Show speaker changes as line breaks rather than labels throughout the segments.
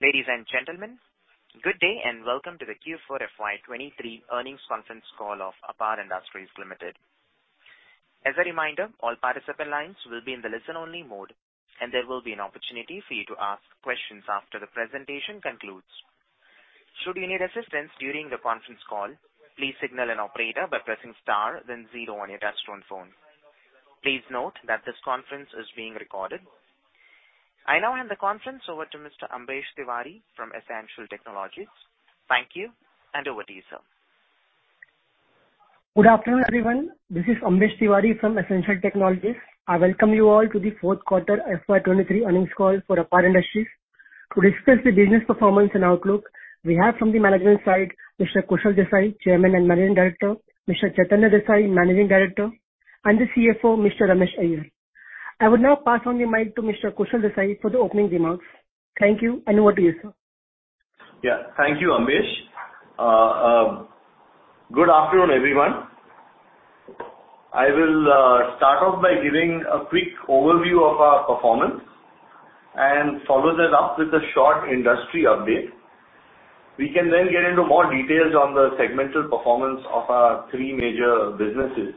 Ladies and gentlemen, good day, and welcome to the Q4 FY23 earnings conference call of APAR Industries Limited. As a reminder, all participant lines will be in the listen only mode, and there will be an opportunity for you to ask questions after the presentation concludes. Should you need assistance during the conference call, please signal an operator by pressing star then zero on your touch-tone phone. Please note that this conference is being recorded. I now hand the conference over to Mr. Ambesh Tiwari from S-Ancial Technologies. Thank you, and over to you, sir.
Good afternoon, everyone. This is Ambesh Tiwari from S-Ancial Technologies. I welcome you all to the Q4 hairman and Managing Director, Mr. Chaitanya Desai, Managing Director, and the CFO, Mr. Ramesh Iyer. I would now pass on the mic to Mr. Kushal Desai for the opening remarks. Thank you. Over to you, sir.
Thank you, Ambesh. Good afternoon, everyone. I will start off by giving a quick overview of our performance and follow that up with a short industry update. We can get into more details on the segmental performance of our three major businesses,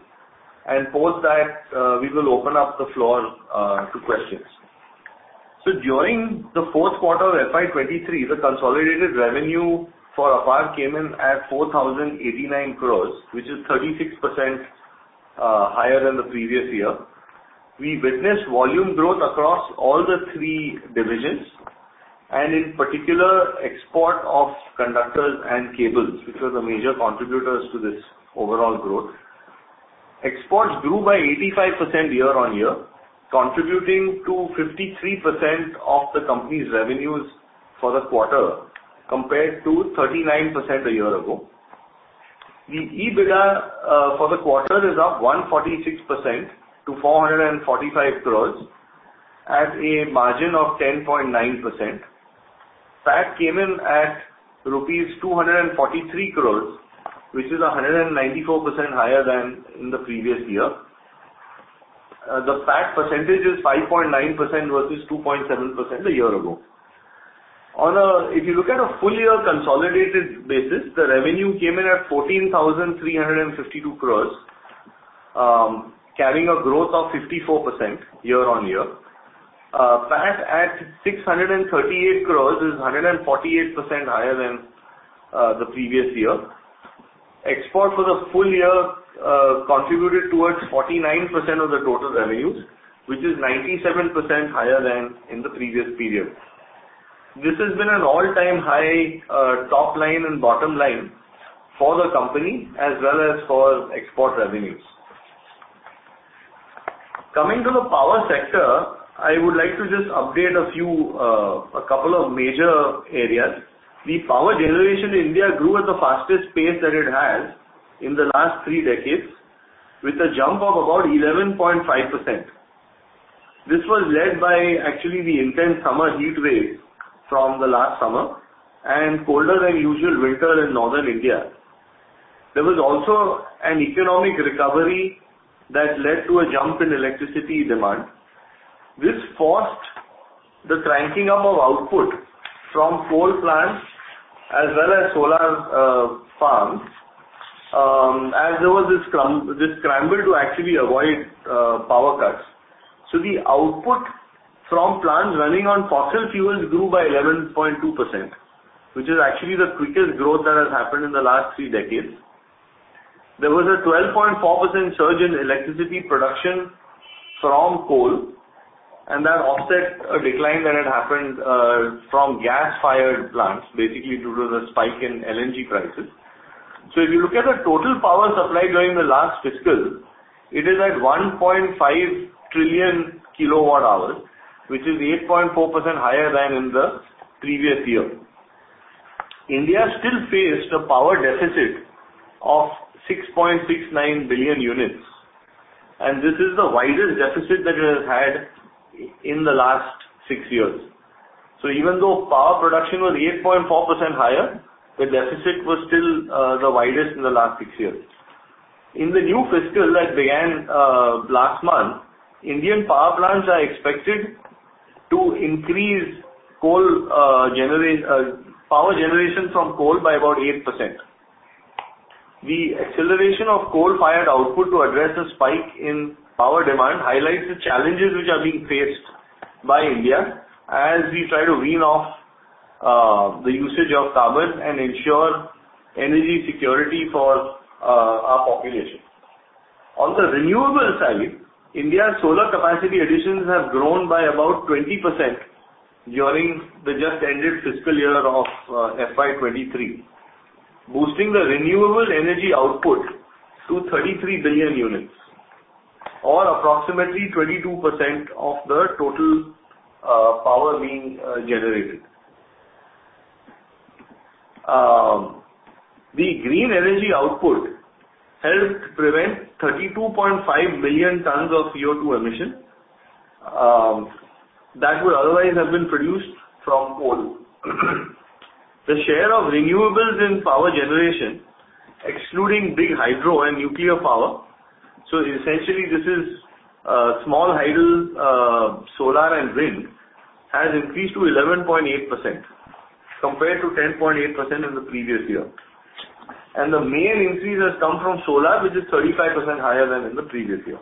and post that, we will open up the floor to questions. During the Q4 of FY 23, the consolidated revenue for APAR came in at 4,089 crores rupees, which is 36% higher than the previous year. We witnessed volume growth across all the three divisions, and in particular, export of conductors and cables, which were the major contributors to this overall growth. Exports grew by 85% year-on-year, contributing to 53% of the company's revenues for the quarter, compared to 39% a year ago. The EBITDA for the quarter is up 146% to 445 crores at a margin of 10.9%. PAT came in at rupees 243 crores, which is 194% higher than in the previous year. The PAT percentage is 5.9% versus 2.7% a year ago. If you look at a full year consolidated basis, the revenue came in at 14,352 crores, carrying a growth of 54% year-on-year. PAT at 638 crores is 148% higher than the previous year. Export for the full year contributed towards 49% of the total revenues, which is 97% higher than in the previous period. This has been an all-time high, top line and bottom line for the company as well as for export revenues. Coming to the power sector, I would like to just update a few, a couple of major areas. The power generation in India grew at the fastest pace that it has in the last 3 decades with a jump of about 11.5%. This was led by actually the intense summer heat wave from the last summer and colder than usual winter in Northern India. There was also an economic recovery that led to a jump in electricity demand. This forced the cranking up of output from coal plants as well as solar farms, as there was this scrum, this scramble to actually avoid power cuts. The output from plants running on fossil fuels grew by 11.2%, which is actually the quickest growth that has happened in the last three decades. There was a 12.4% surge in electricity production from coal, and that offset a decline that had happened from gas-fired plants, basically due to the spike in LNG prices. If you look at the total power supply during the last fiscal, it is at 1.5 trillion kilowatt hours, which is 8.4% higher than in the previous year. India still faced a power deficit of 6.69 billion units, and this is the widest deficit that it has had in the last six years. Even though power production was 8.4% higher, the deficit was still the widest in the last six years. In the new fiscal that began last month, Indian power plants are expected to increase coal generate power generation from coal by about 8%. The acceleration of coal-fired output to address the spike in power demand highlights the challenges which are being faced by India as we try to wean off the usage of carbon and ensure energy security for our population. On the renewable side, India's solar capacity additions have grown by about 20% during the just ended fiscal year of FY23, boosting the renewable energy output to 33 billion units or approximately 22% of the total power being generated. The green energy output helped prevent 32.5 million tons of CO2 emission that would otherwise have been produced from coal. The share of renewables in power generation, excluding big hydro and nuclear power. Essentially this is small hydel, solar and wind has increased to 11.8% compared to 10.8% in the previous year. The main increase has come from solar, which is 35% higher than in the previous year.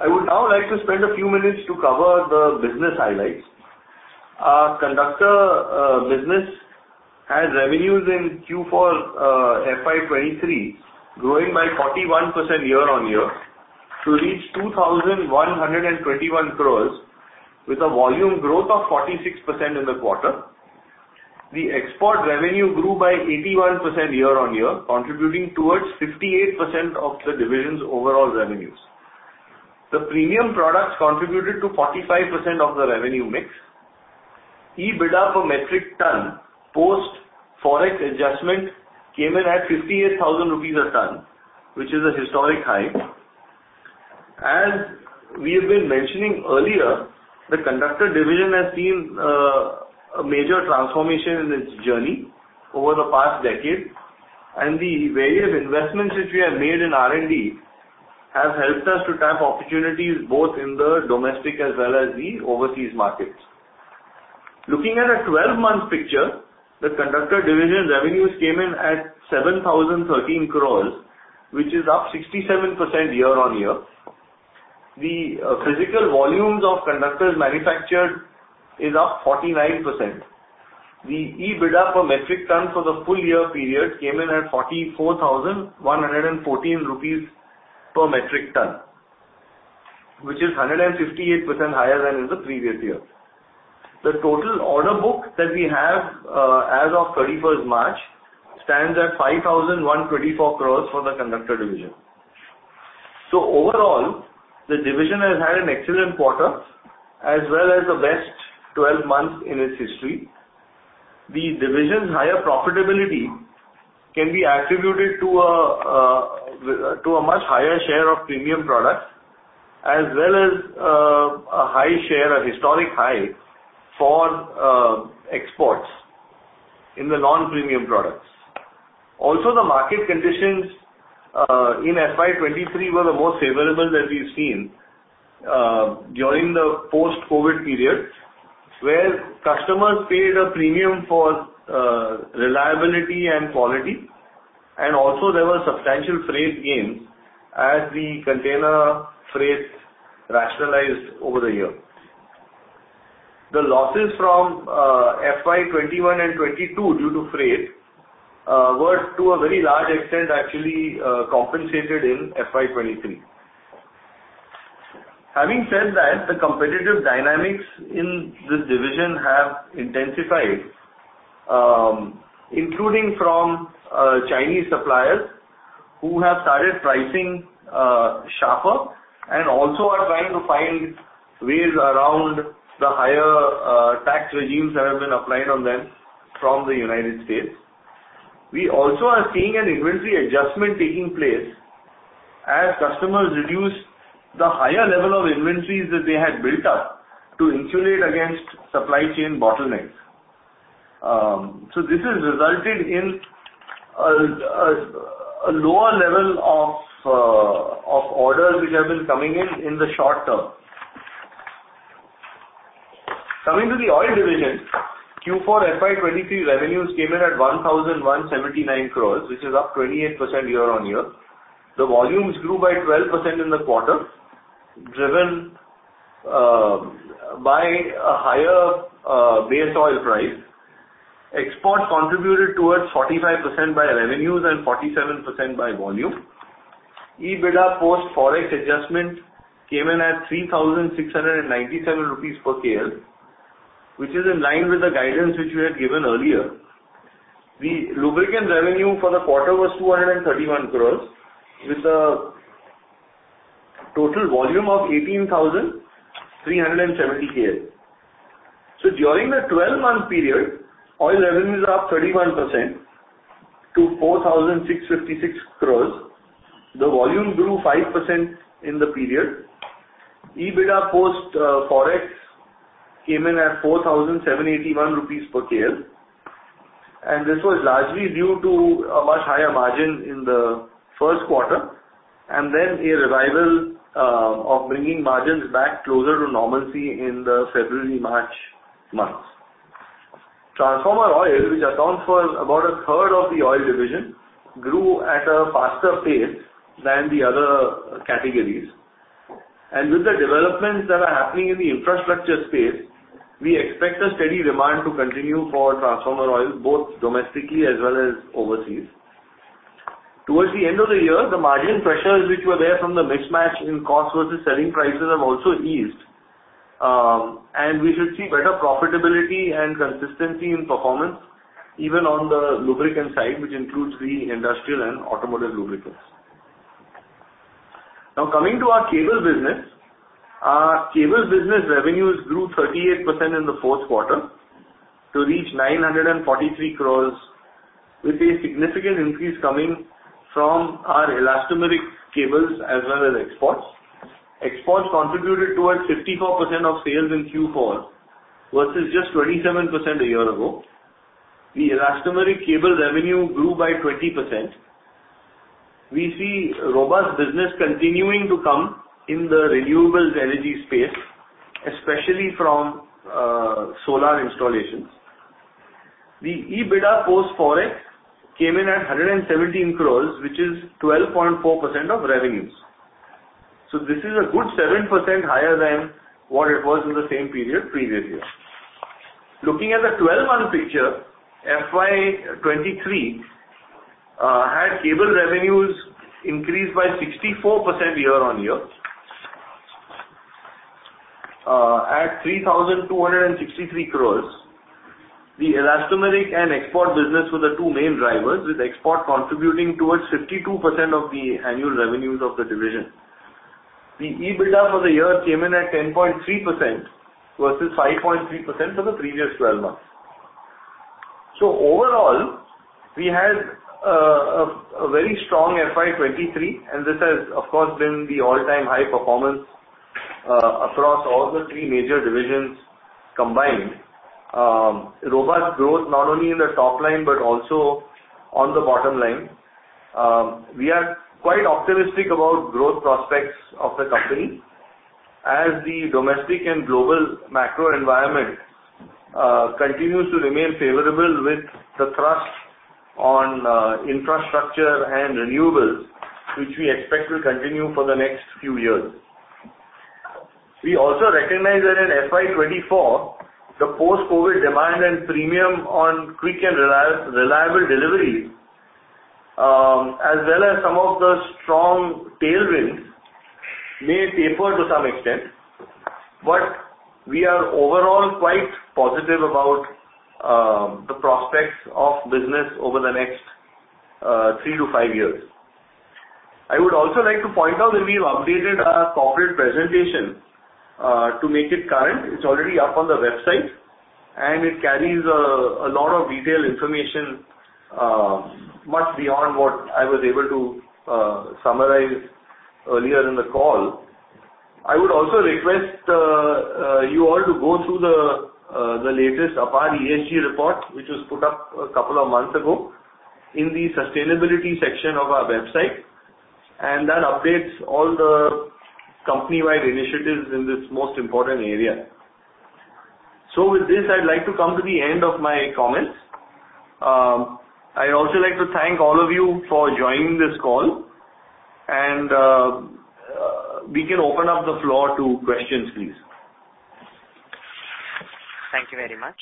I would now like to spend a few minutes to cover the business highlights. Our conductor business has revenues in Q4 FY twenty-three growing by 41% year-on-year to reach 2,121 crores with a volume growth of 46% in the quarter. The export revenue grew by 81% year-on-year, contributing towards 58% of the division's overall revenues. The premium products contributed to 45% of the revenue mix. EBITDA per metric ton post Forex adjustment came in at 58,000 rupees a ton, which is a historic high. As we have been mentioning earlier, the conductor division has seen a major transformation in its journey over the past decade, and the various investments which we have made in R&D have helped us to tap opportunities both in the domestic as well as the overseas markets. Looking at a 12-month picture, the conductor division revenues came in at 7,013 crores, which is up 67% year-on-year. Physical volumes of conductors manufactured is up 49%. The EBITDA per metric ton for the full year period came in at 44,114 rupees per metric ton, which is 158% higher than in the previous year. Total order book that we have as of 31st March, stands at 5,124 crores for the conductor division. Overall, the division has had an excellent quarter as well as the best 12 months in its history. The division's higher profitability can be attributed to a much higher share of premium products as well as a high share, a historic high for exports in the non-premium products. The market conditions in FY 2023 were the most favorable that we've seen during the post-COVID period, where customers paid a premium for reliability and quality, and also there were substantial freight gains as the container freight rationalized over the year. The losses from FY 2021 and 2022 due to freight were to a very large extent actually compensated in FY 2023. Having said that, the competitive dynamics in this division have intensified, including from Chinese suppliers who have started pricing sharper and also are trying to find ways around the higher tax regimes that have been applied on them from the United States. We also are seeing an inventory adjustment taking place as customers reduce the higher level of inventories that they had built up to insulate against supply chain bottlenecks. This has resulted in a lower level of orders which have been coming in in the short term. Coming to the oil division, Q4 FY 2023 revenues came in at 1,179 crores, which is up 28% year-on-year. The volumes grew by 12% in the quarter, driven by a higher base oil price. Exports contributed towards 45% by revenues and 47% by volume. EBITDA post-Forex adjustment came in at 3,697 rupees per kl, which is in line with the guidance which we had given earlier. The lubricant revenue for the quarter was 231 crores with a total volume of 18,370 kl. During the 12-month period, oil revenues are up 31% to 4,656 crores. The volume grew 5% in the period. EBITDA post Forex came in at 4,781 rupees per kl, and this was largely due to a much higher margin in the Q1 and then a revival of bringing margins back closer to normalcy in the February-March months. Transformer oil, which accounts for about a third of the oil division, grew at a faster pace than the other categories. With the developments that are happening in the infrastructure space, we expect a steady demand to continue for transformer oil, both domestically as well as overseas. Towards the end of the year, the margin pressures which were there from the mismatch in cost versus selling prices have also eased. We should see better profitability and consistency in performance even on the lubricant side, which includes the industrial and automotive lubricants. Now, coming to our cable business. Our cable business revenues grew 38% in the Q4 to reach 943 crores. With a significant increase coming from our elastomeric cables as well as exports. Exports contributed towards 54% of sales in Q4 versus just 27% a year ago. The elastomeric cable revenue grew by 20%. We see robust business continuing to come in the renewables energy space, especially from solar installations. The EBITDA post-Forex came in at 117 crores, which is 12.4% of revenues. This is a good 7% higher than what it was in the same period previous year. Looking at the 12-month picture, FY23 had cable revenues increase by 64% year-on-year. At 3,263 crores. The elastomeric and export business were the two main drivers, with export contributing towards 52% of the annual revenues of the division. The EBITDA for the year came in at 10.3% versus 5.3% for the previous 12 months. Overall, we had a very strong FY 2023, and this has of course been the all-time high performance across all the 3 major divisions combined. Robust growth not only in the top line but also on the bottom line. We are quite optimistic about growth prospects of the company as the domestic and global macro environment continues to remain favorable with the thrust on infrastructure and renewables, which we expect will continue for the next few years. We also recognize that in FY 2024, the post-COVID demand and premium on quick and reliable delivery, as well as some of the strong tailwinds may taper to some extent, but we are overall quite positive about the prospects of business over the next 3-5 years. I would also like to point out that we've updated our corporate presentation to make it current. It's already up on the website, and it carries a lot of detailed information much beyond what I was able to summarize earlier in the call. I would also request you all to go through the latest APAR ESG report, which was put up a couple of months ago in the sustainability section of our website, and that updates all the company-wide initiatives in this most important area. With this, I'd like to come to the end of my comments. I'd also like to thank all of you for joining this call and we can open up the floor to questions, please.
Thank you very much.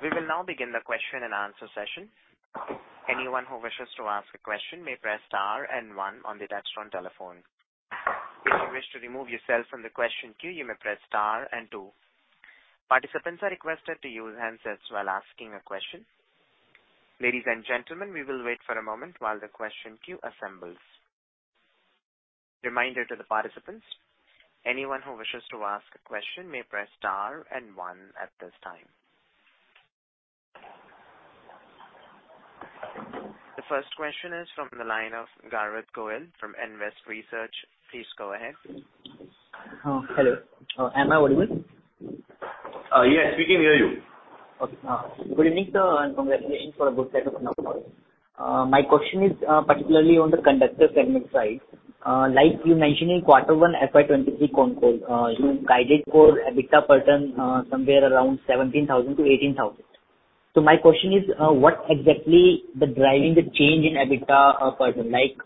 We will now begin the question and answer session. Anyone who wishes to ask a question may press star and one on the touchtone telephone. If you wish to remove yourself from the question queue, you may press star and two. Participants are requested to use handsets while asking a question. Ladies and gentlemen, we will wait for a moment while the question queue assembles. Reminder to the participants, anyone who wishes to ask a question may press star and one at this time. The first question is from the line of Garvit Goyal from Nvest Research. Please go ahead.
Hello. Am I audible?
Yes, we can hear you.
Okay. good evening, sir, and congratulations for a good set of numbers. My question is particularly on the conductor segment side. Like you mentioned in Q1 FY23 concall, you guided for EBITDA per ton somewhere around 17,000-18,000. My question is what exactly the driving the change in EBITDA per ton? Like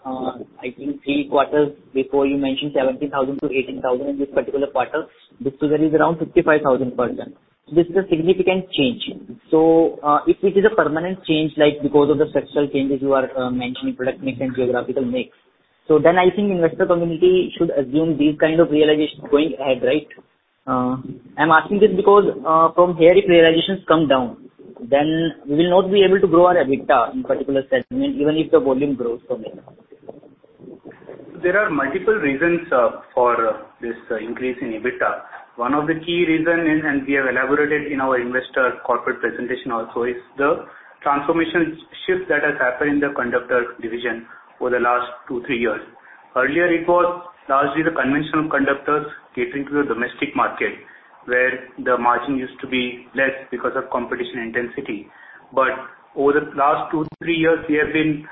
I think three quarters before you mentioned 17,000-18,000 in this particular quarter, this quarter is around 55,000 per ton. This is a significant change. If it is a permanent change, like because of the structural changes you are mentioning product mix and geographical mix, then I think investor community should assume these kind of realizations going ahead, right? I'm asking this because from here if realizations come down, then we will not be able to grow our EBITDA in particular segment, even if the volume grows from there.
There are multiple reasons for this increase in EBITDA. One of the key reason, and we have elaborated in our investor corporate presentation also, is the transformation shift that has happened in the conductor division over the last two, three years. Earlier it was largely the conventional conductors catering to the domestic market, where the margin used to be less because of competition intensity. Over the last two, three years, we have been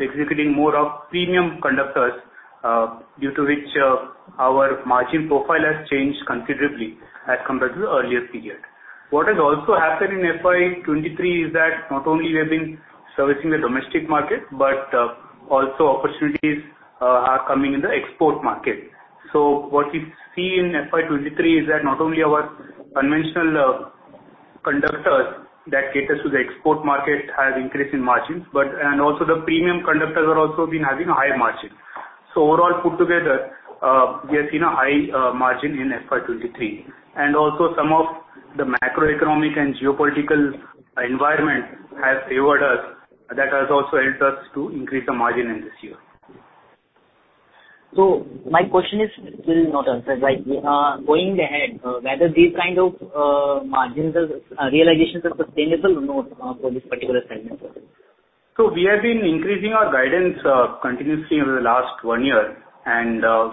executing more of premium conductors due to which our margin profile has changed considerably as compared to the earlier period. What has also happened in FY 23 is that not only we have been servicing the domestic market, but also opportunities are coming in the export market. What we see in FY 23 is that not only our conventional conductors that caters to the export market has increased in margins, and also the premium conductors have also been having a higher margin. Overall put together, we have seen a high margin in FY 23. Also some of the macroeconomic and geopolitical environment has favored us. That has also helped us to increase the margin in this year.
My question is still not answered. Like, going ahead, whether these kind of margins or realizations are sustainable or not for this particular segment?
We have been increasing our guidance continuously over the last one year,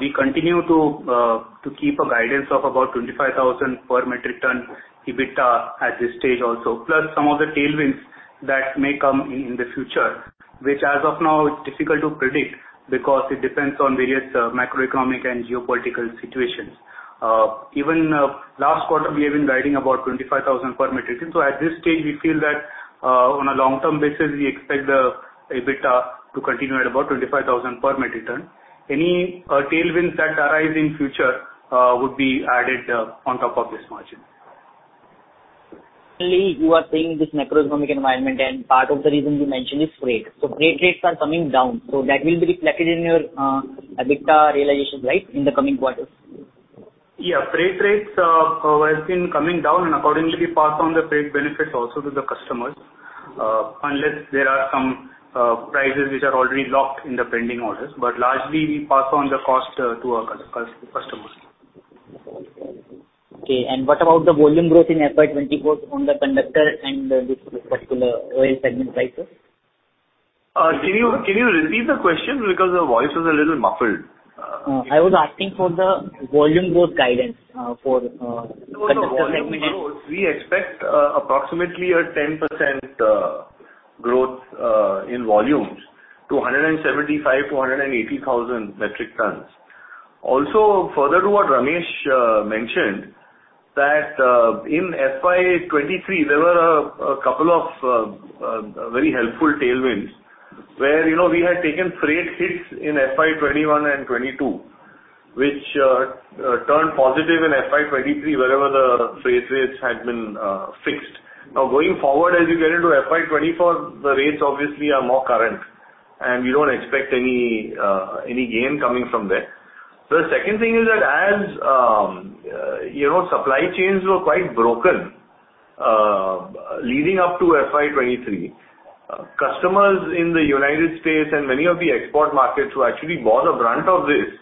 we continue to keep a guidance of about 25,000 per metric ton EBITA at this stage also, plus some of the tailwinds that may come in the future, which as of now is difficult to predict because it depends on various macroeconomic and geopolitical situations. Even last quarter we have been guiding about 25,000 per metric ton. At this stage we feel that on a long-term basis, we expect the EBITA to continue at about 25,000 per metric ton. Any tailwinds that arise in future would be added on top of this margin.
You are saying this macroeconomic environment and part of the reason you mentioned is freight. Freight rates are coming down, so that will be reflected in your EBITA realization, right, in the coming quarters?
Yeah. Freight rates have been coming down. Accordingly we pass on the freight benefits also to the customers, unless there are some prices which are already locked in the pending orders. Largely we pass on the cost to our customers.
Okay. What about the volume growth in FY24 from the conductor and this particular oil segment, right, sir?
Can you repeat the question because the voice is a little muffled.
I was asking for the volume growth guidance, for.
No, no. In volumes, we expect approximately a 10% growth in volumes to 175,000-180,000 metric tons. Also, further to what Ramesh mentioned, that in FY 2023 there were a couple of very helpful tailwinds where, you know, we had taken freight hits in FY 2021 and 2022, which turned positive in FY 2023 wherever the freight rates had been fixed. Going forward, as you get into FY 2024, the rates obviously are more current and we don't expect any gain coming from there. The second thing is that as, you know, supply chains were quite broken, leading up to FY23, customers in the United States and many of the export markets who actually bore the brunt of this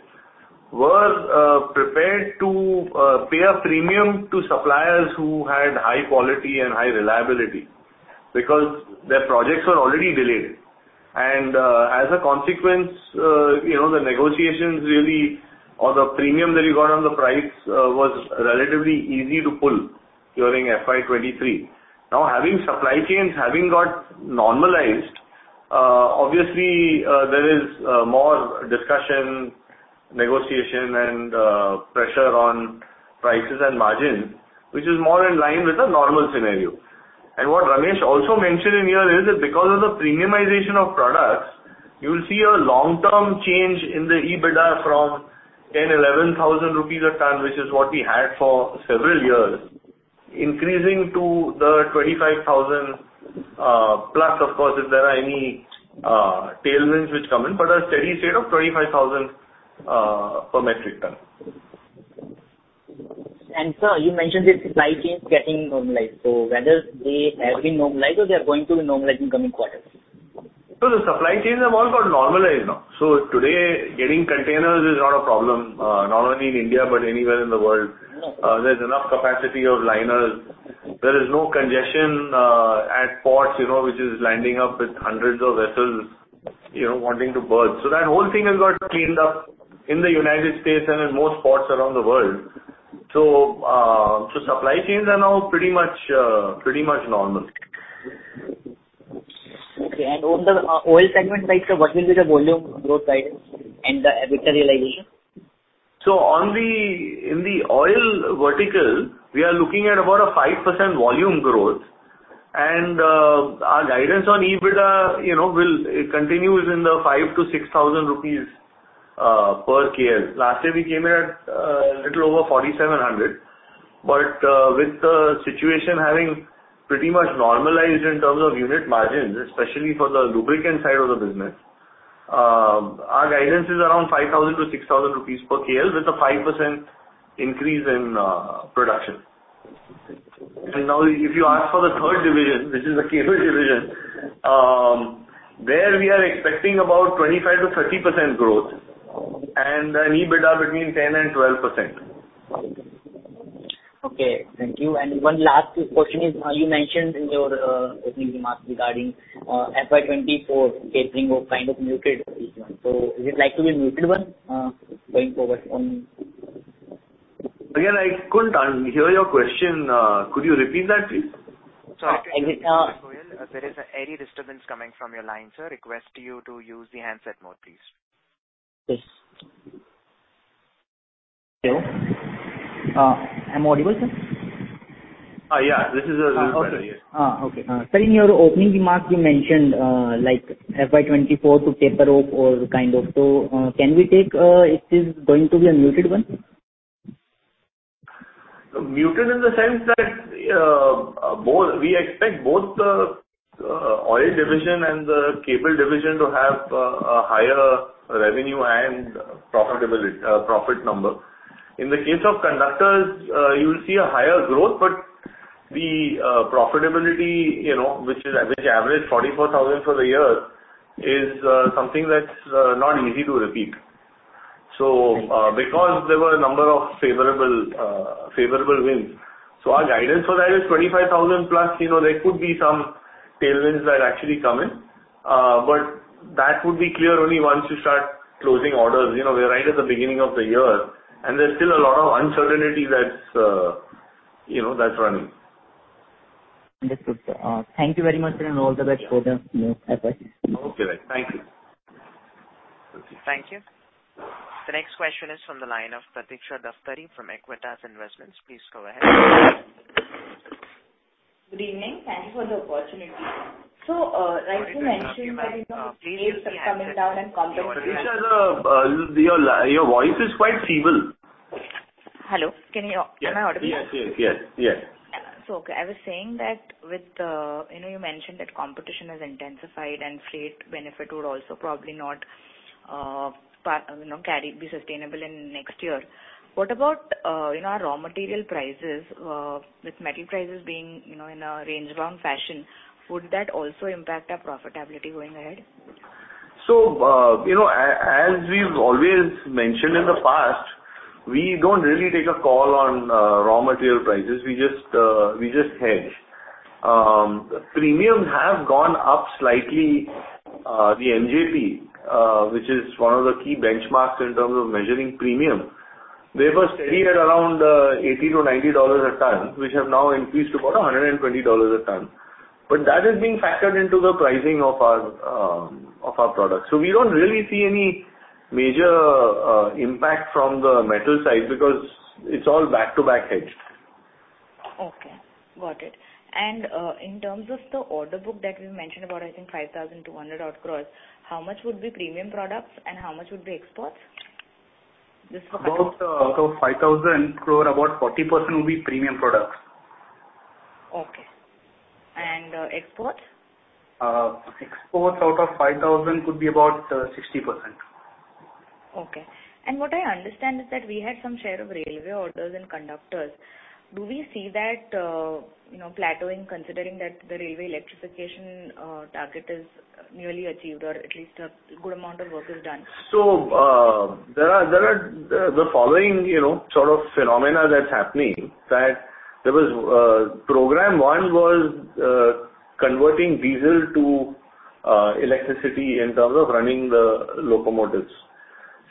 were prepared to pay a premium to suppliers who had high quality and high reliability because their projects were already delayed. As a consequence, you know, the negotiations really, or the premium that you got on the price, was relatively easy to pull during FY23. Having supply chains having got normalized, obviously, there is more discussion, negotiation and pressure on prices and margins, which is more in line with the normal scenario. What Ramesh also mentioned in here is that because of the premiumization of products, you will see a long-term change in the EBITA from 10,000-11,000 rupees a ton, which is what we had for several years, increasing to the 25,000 plus of course, if there are any tailwinds which come in, but a steady state of 25,000 per metric ton.
Sir, you mentioned the supply chains getting normalized. Whether they have been normalized or they are going to be normalizing coming quarters?
The supply chains have all got normalized now. Today getting containers is not a problem, not only in India but anywhere in the world. There's enough capacity of liners. There is no congestion at ports, you know, which is lining up with hundreds of vessels, you know, wanting to berth. That whole thing has got cleaned up in the United States and in most ports around the world. Supply chains are now pretty much pretty much normal.
Okay. On the oil segment side, sir, what will be the volume growth guidance and the EBITA realization?
In the oil vertical, we are looking at about a 5% volume growth. Our guidance on EBITA, you know, it continues in the 5,000-6,000 rupees per KL. Last year we came in at little over 4,700. With the situation having pretty much normalized in terms of unit margins, especially for the lubricant side of the business, our guidance is around 5,000-6,000 rupees per KL with a 5% increase in production. Now if you ask for the third division, which is the cable division, there we are expecting about 25-30% growth and an EBITA between 10% and 12%.
Okay, thank you. One last question is, you mentioned in your opening remarks regarding FY 2024 tapering of kind of muted H1. Is it like to be a muted one going forward?
I couldn't hear your question. Could you repeat that, please?
Sorry.
There is a heavy disturbance coming from your line, sir. Request you to use the handset mode, please.
Yes. Hello? I'm audible, sir?
Yeah. This is, this is better. Yeah.
Okay. Okay. Sir, in your opening remarks you mentioned, like FY 2024 to taper off or kind of... Can we take, it is going to be a muted one?
Muted in the sense that, we expect both the oil division and the cable division to have a higher revenue and profitability, profit number. In the case of conductors, you will see a higher growth, but the profitability, you know, which averaged 44,000 for the year is something that's not easy to repeat. Because there were a number of favorable wins. Our guidance for that is 25,000+. You know, there could be some tailwinds that actually come in. That would be clear only once you start closing orders. You know, we are right at the beginning of the year, and there's still a lot of uncertainty that's, you know, that's running.
Understood, sir. Thank you very much, and all the best for the, you know, efforts.
Okay. Thank you.
Thank you. The next question is from the line of Pratiksha Daftari from Aequitas Investments. Please go ahead.
Good evening. Thank you for the opportunity. Rajat mentioned that, you know, rates are coming down and competition-
Pratiksha, your voice is quite feeble.
Hello. Can I order now?
Yes. Yes. Yes. Yes.
Okay, I was saying that with the... You know, you mentioned that competition has intensified and fleet benefit would also probably not, you know, be sustainable in next year. What about, you know, raw material prices, with metal prices being, you know, in a range bound fashion, would that also impact our profitability going ahead?
you know, as we've always mentioned in the past, we don't really take a call on raw material prices. We just hedge. Premiums have gone up slightly. The MJP, which is one of the key benchmarks in terms of measuring premium, they were steady at around $80-90 a ton, which have now increased to about $120 a ton. That is being factored into the pricing of our products. We don't really see any major impact from the metal side because it's all back-to-back hedged.
Okay, got it. In terms of the order book that we mentioned about, I think 5,200 crores, how much would be premium products and how much would be exports? Just for context.
About, out of 5,000 crore, about 40% will be premium products.
Okay. Exports?
Exports out of 5,000 could be about 60%.
Okay. What I understand is that we had some share of railway orders and conductors. Do we see that, you know, plateauing, considering that the railway electrification target is nearly achieved or at least a good amount of work is done?
There are the following, you know, sort of phenomena that's happening, that there was program one was converting diesel to electricity in terms of running the locomotives.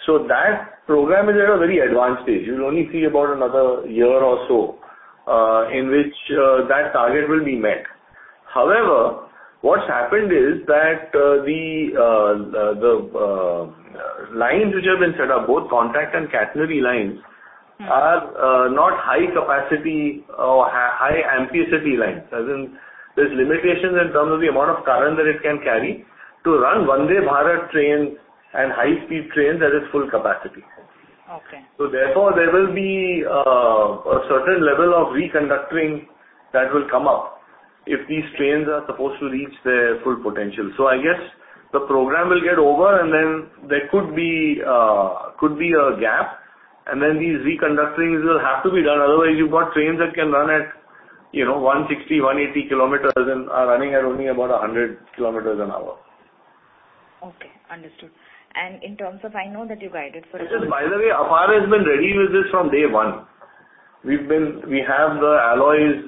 That program is at a very advanced stage. You'll only see about another year or so, in which that target will be met. However, what's happened is that the lines which have been set up, both contact and catenary lines... are, not high capacity or high ampacity lines. As in, there's limitations in terms of the amount of current that it can carry to run Vande Bharat trains and high-speed trains at its full capacity.
Okay.
Therefore, there will be a certain level of re-conduiting that will come up if these trains are supposed to reach their full potential. I guess the program will get over and then there could be a gap, and then these re-conduiting will have to be done. You've got trains that can run at, you know, 160, 180 km and are running at only about 100 km an hour.
Okay. Understood. I know that you guided.
By the way, Apar has been ready with this from day one. We have the alloys,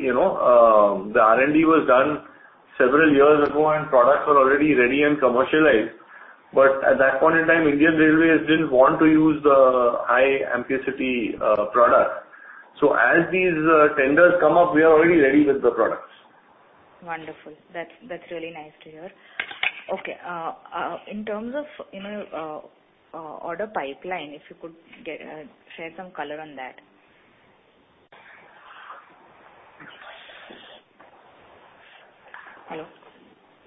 you know. The R&D was done several years ago, products were already ready and commercialized. At that point in time, Indian Railways didn't want to use the high ampacity product. As these tenders come up, we are already ready with the products.
Wonderful. That's, that's really nice to hear. Okay. in terms of, you know, order pipeline, if you could share some color on that. Hello?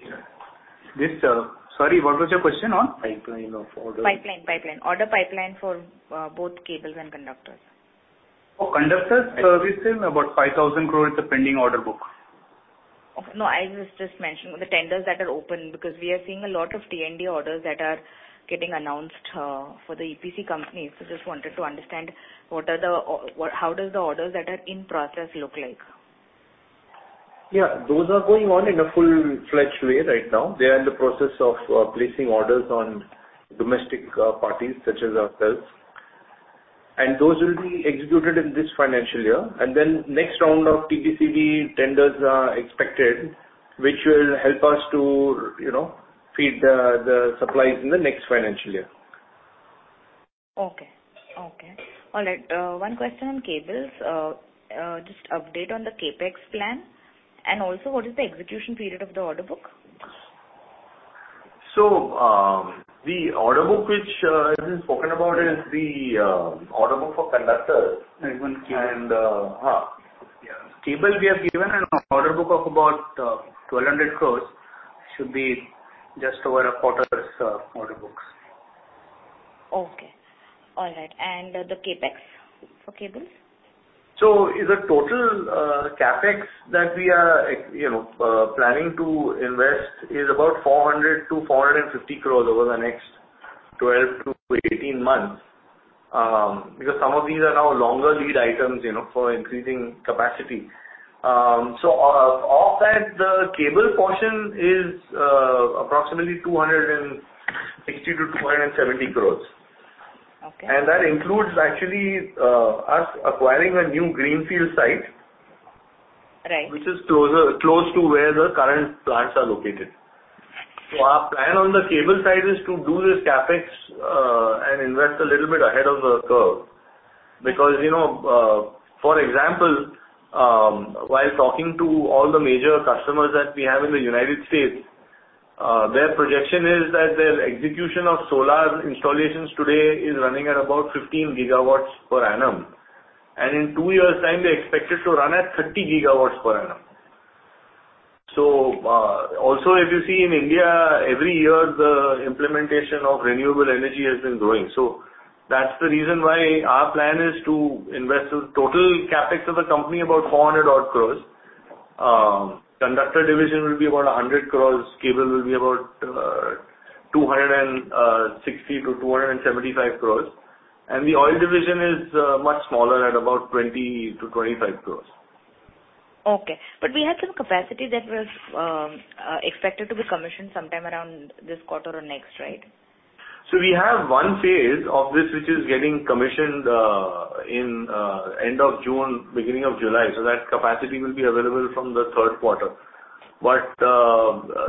Yes. Sorry, what was your question on?
Pipeline of orders.
Pipeline. Order pipeline for both cables and conductors.
For conductors, we said about 5,000 crores is the pending order book.
I was just mentioning the tenders that are open because we are seeing a lot of T&D orders that are getting announced for the EPC companies. Just wanted to understand what are the or how does the orders that are in process look like?
Yeah. Those are going on in a full-fledged way right now. They are in the process of placing orders on domestic parties such as ourselves, and those will be executed in this financial year. Next round of TBCB tenders are expected, which will help us to, you know, feed the supplies in the next financial year.
Okay. Okay. All right. One question on cables. Just update on the CapEx plan, and also what is the execution period of the order book?
The order book which has been spoken about is the order book for conductors.
Even cable.
Ha.
Cable, we have given an order book of about 1,200 crores. Should be just over a quarter's order books.
Okay. All right. The CapEx for cables?
Is the total CapEx that we are, you know, planning to invest is about 400-450 crores over the next 12-18 months, because some of these are now longer lead items, you know, for increasing capacity. Of that, the cable portion is approximately 260-270 crores.
Okay.
That includes actually, us acquiring a new greenfield site.
Right...
which is closer, close to where the current plants are located. Our plan on the cable side is to do this CapEx and invest a little bit ahead of the curve because, you know, for example, while talking to all the major customers that we have in the United States, their projection is that their execution of solar installations today is running at about 15 gigawatts per annum, and in 2 years' time they expect it to run at 30 gigawatts per annum. Also, if you see in India, every year the implementation of renewable energy has been growing. That's the reason why our plan is to invest the total CapEx of the company about 400 odd crore. Conductor division will be about 100 crore. Cable will be about 260-275 crores. The oil division is much smaller at about 20-25 crores.
Okay. We had some capacity that was expected to be commissioned sometime around this quarter or next, right?
We have one phase of this which is getting commissioned in end of June, beginning of July. That capacity will be available from the Q3.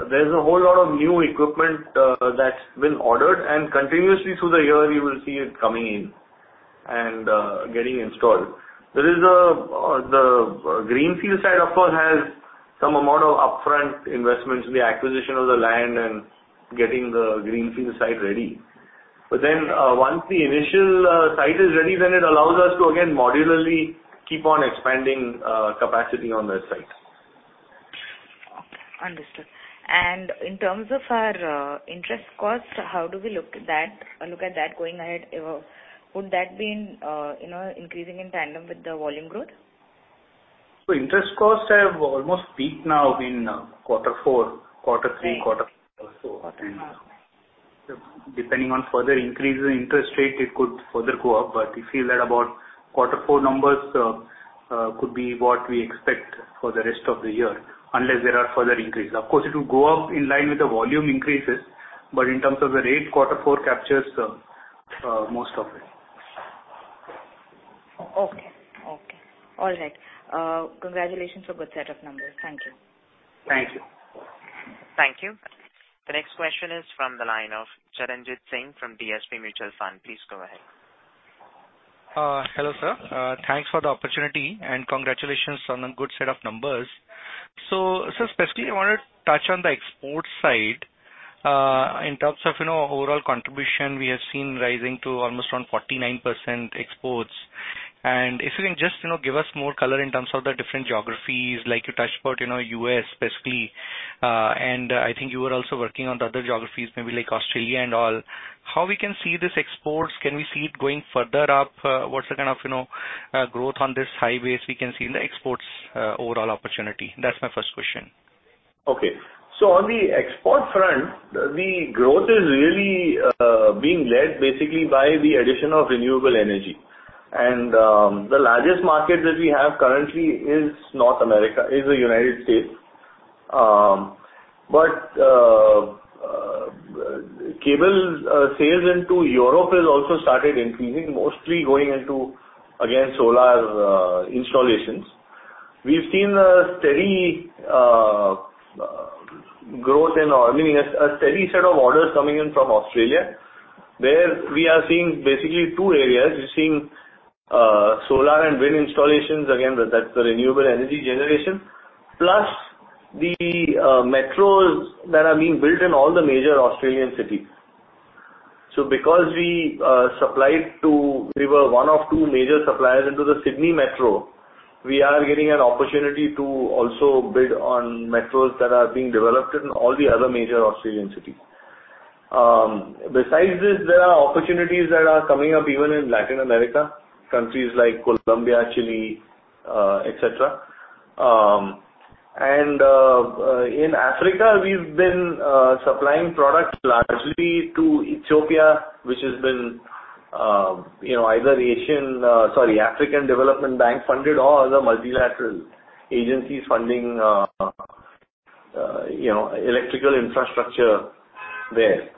There's a whole lot of new equipment that's been ordered, and continuously through the year you will see it coming in and getting installed. There is a the greenfield site of course has some amount of upfront investments in the acquisition of the land and getting the greenfield site ready. Once the initial site is ready, then it allows us to again modularly keep on expanding capacity on that site.
Okay. Understood. In terms of our interest cost, how do we look at that going ahead? Would that be in, you know, increasing in tandem with the volume growth?
Interest costs have almost peaked now in Q4, Q3.
Right.
Q4. Depending on further increases in interest rate, it could further go up, but we feel that about Q4 numbers could be what we expect for the rest of the year, unless there are further increases. It will go up in line with the volume increases, but in terms of the rate, Q4 captures most of it.
Okay. All right. Congratulations for good set of numbers. Thank you.
Thank you.
Thank you. The next question is from the line of Charanjit Singh from DSP Mutual Fund. Please go ahead.
Hello, sir. Thanks for the opportunity, and congratulations on a good set of numbers. Sir, specifically, I wanted to touch on the export side, in terms of, you know, overall contribution we have seen rising to almost around 49% exports. If you can just, you know, give us more color in terms of the different geographies, like you touched about, you know, US specifically, and I think you were also working on the other geographies, maybe like Australia and all. How we can see these exports, can we see it going further up? What's the kind of, you know, growth on this high base we can see in the exports, overall opportunity? That's my first question.
Okay. On the export front, the growth is really being led basically by the addition of renewable energy. The largest market that we have currently is North America, is the United States. Cable sales into Europe has also started increasing, mostly going into, again, solar installations. We've seen a steady set of orders coming in from Australia, where we are seeing basically two areas. We're seeing solar and wind installations. Again, that's the renewable energy generation. Plus the metros that are being built in all the major Australian cities. Because we were 1 of 2 major suppliers into the Sydney Metro, we are getting an opportunity to also bid on metros that are being developed in all the other major Australian cities. Besides this, there are opportunities that are coming up even in Latin America, countries like Colombia, Chile, et cetera. In Africa, we've been supplying products largely to Ethiopia, which has been, you know, either Asian, sorry, African Development Bank funded or other multilateral agencies funding, you know, electrical infrastructure there.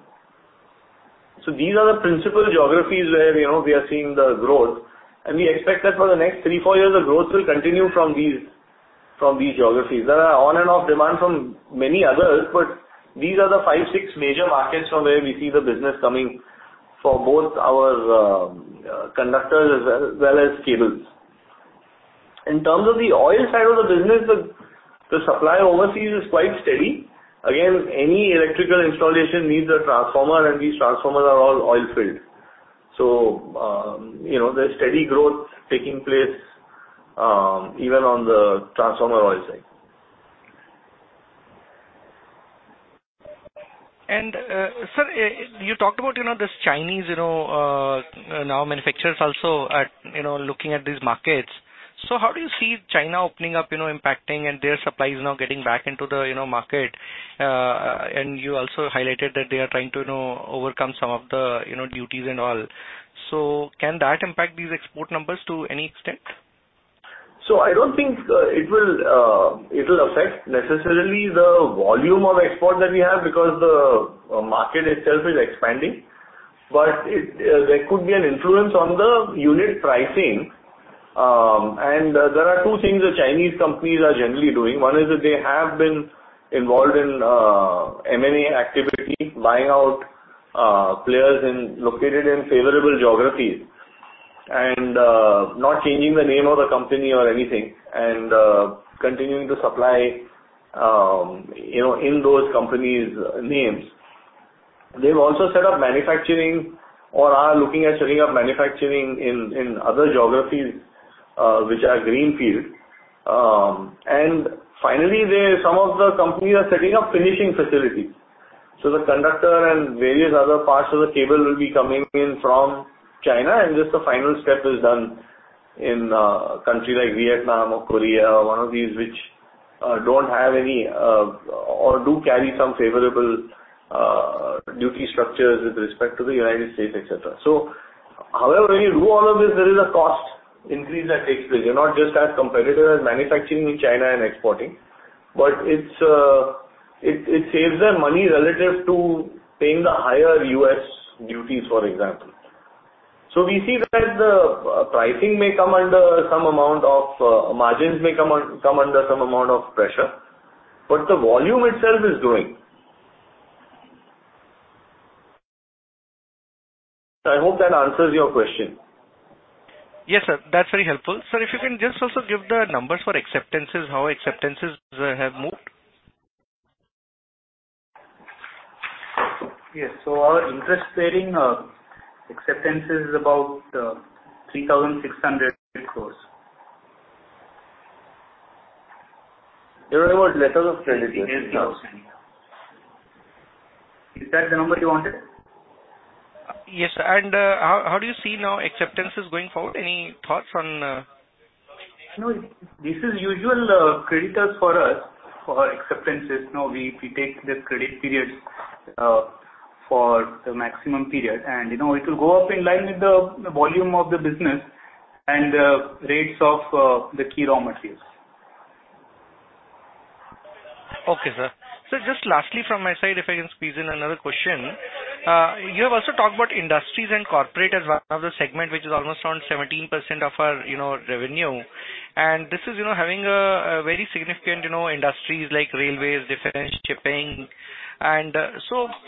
These are the principal geographies where, you know, we are seeing the growth, and we expect that for the next 3, 4 years, the growth will continue from these geographies. There are on-and-off demand from many others, these are the 5, 6 major markets from where we see the business coming for both our conductors as well, as well as cables. In terms of the oil side of the business, the supply overseas is quite steady. Any electrical installation needs a transformer, and these transformers are all oil-filled. you know, there's steady growth taking place, even on the transformer oil side.
Sir, you talked about, you know, this Chinese, you know, Now manufacturers also are, you know, looking at these markets. How do you see China opening up, you know, impacting and their supplies now getting back into the, you know, market? You also highlighted that they are trying to, you know, overcome some of the, you know, duties and all. Can that impact these export numbers to any extent?
I don't think it will affect necessarily the volume of export that we have because the market itself is expanding. There could be an influence on the unit pricing. There are two things the Chinese companies are generally doing. One is that they have been involved in M&A activity, buying out players located in favorable geographies and not changing the name of the company or anything and continuing to supply, you know, in those companies' names. They've also set up manufacturing or are looking at setting up manufacturing in other geographies, which are greenfield. Finally, some of the companies are setting up finishing facilities. The conductor and various other parts of the cable will be coming in from China, and just the final step is done in a country like Vietnam or Korea, one of these which don't have any or do carry some favorable duty structures with respect to the United States, et cetera. However, when you do all of this, there is a cost increase that takes place. You're not just as competitive as manufacturing in China and exporting, but it saves them money relative to paying the higher US duties, for example. We see that the pricing may come under some amount of margins may come under some amount of pressure, but the volume itself is growing. I hope that answers your question.
Yes, sir. That's very helpful. Sir, if you can just also give the numbers for acceptances, how acceptances have moved?
Yes. Our interest-bearing acceptances is about INR 3,600 crores.
There are about letters of credit as well.
Is that the number you wanted?
Yes. How, how do you see now acceptances going forward? Any thoughts on-
No, this is usual creditors for us, for our acceptances. You know, we take the credit periods for the maximum period. You know, it will go up in line with the volume of the business and, rates of, the key raw materials.
Okay, sir. Just lastly from my side, if I can squeeze in another question. You have also talked about industries and corporate as one of the segment, which is almost around 17% of our revenue. This is having a very significant industries like railways, defense, shipping. If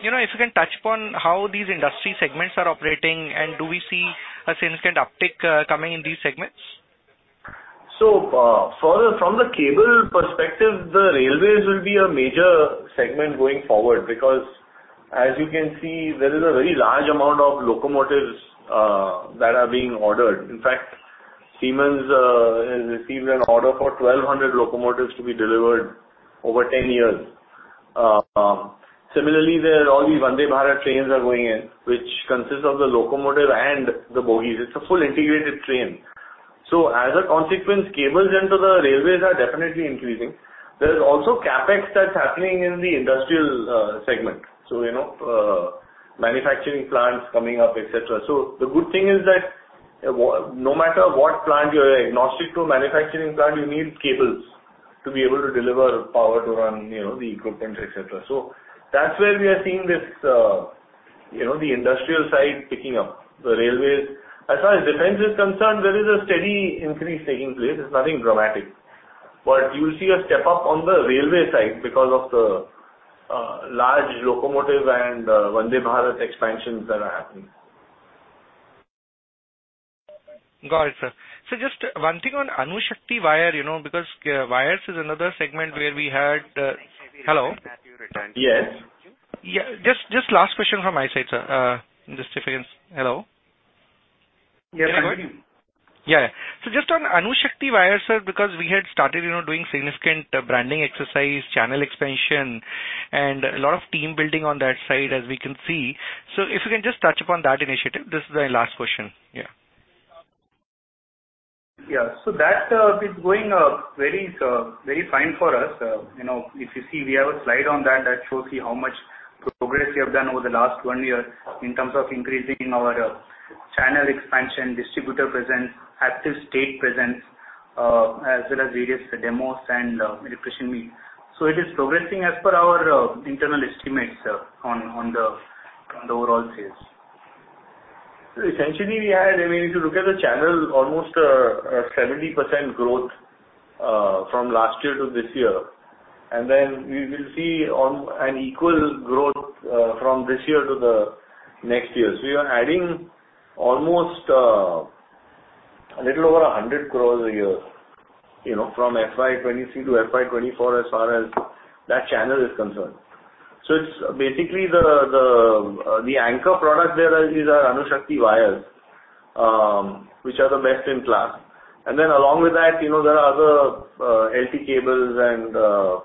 you can touch upon how these industry segments are operating, and do we see a significant uptick coming in these segments?
From the cable perspective, the railways will be a major segment going forward because as you can see, there is a very large amount of locomotives that are being ordered. In fact, Siemens has received an order for 1,200 locomotives to be delivered over 10 years. Similarly, there are all these Vande Bharat trains are going in, which consists of the locomotive and the bogies. It's a full integrated train. As a consequence, cables into the railways are definitely increasing. There is also CapEx that's happening in the industrial segment. You know, manufacturing plants coming up, et cetera. The good thing is that no matter what plant, you're agnostic to a manufacturing plant, you need cables to be able to deliver power to run, you know, the equipment, et cetera. That's where we are seeing this, you know, the industrial side picking up. The railways. As far as defense is concerned, there is a steady increase taking place. It's nothing dramatic. You'll see a step up on the railway side because of the large locomotive and Vande Bharat expansions that are happening.
Got it, sir. Just one thing on Anushakti wire, you know, because wires is another segment where we had... Hello?
Yes.
Yeah. Just last question from my side, sir. just if you can... Hello?
Yes, I hear you.
Yeah. Just on Anushakti wire, sir, because we had started, you know, doing significant branding exercise, channel expansion, and a lot of team building on that side as we can see. If you can just touch upon that initiative. This is my last question. Yeah.
That is going very, very fine for us. You know, if you see, we have a slide on that that shows you how much progress we have done over the last one year in terms of increasing our channel expansion, distributor presence, active state presence, as well as various demos and refreshing me. It is progressing as per our internal estimates on the overall sales.
Essentially, we had, I mean, if you look at the channel, almost, a 70% growth, from last year to this year. We will see on an equal growth, from this year to the next year. We are adding almost, a little over 100 crores a year, you know, from FY23 to FY24 as far as that channel is concerned. It's basically the anchor products there is our Anushakti wires, which are the best in class. Along with that, you know, there are other, LT cables and.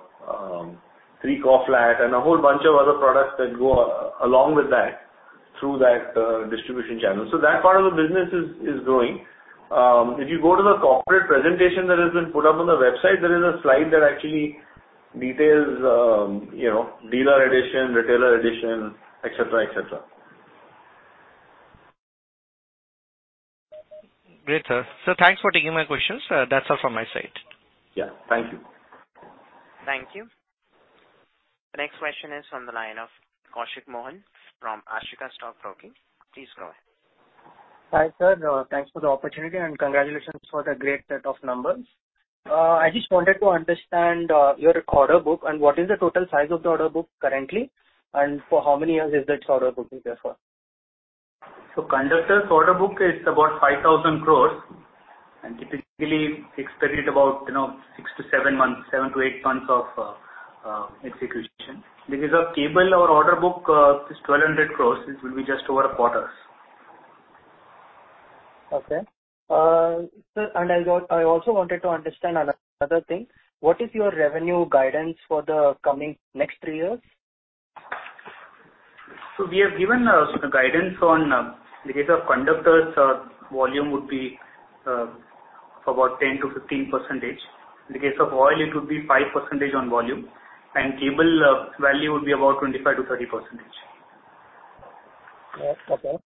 3 core flat and a whole bunch of other products that go along with that through that distribution channel. That part of the business is growing. If you go to the corporate presentation that has been put up on the website, there is a slide that actually details, you know, dealer addition, retailer addition, etc., etc.
Great, sir. Thanks for taking my questions. That's all from my side.
Yeah. Thank you.
Thank you. The next question is on the line of Koushik Mohan from Ashika Stock Broking. Please go ahead.
Hi, sir. Thanks for the opportunity and congratulations for the great set of numbers. I just wanted to understand your order book and what is the total size of the order book currently, and for how many years is that order book is there for?
Conductors order book is about 5,000 crores, and typically expected about, you know, six to seven months, seven to eight months of execution. Cable, our order book, is 1,200 crores. This will be just over a quarters.
Okay. sir, I also wanted to understand another thing. What is your revenue guidance for the coming next three years?
We have given guidance on in the case of conductors, volume would be about 10-15%. In the case of oil, it would be 5% on volume, and cable, value would be about 25-30%.
Yes. Okay.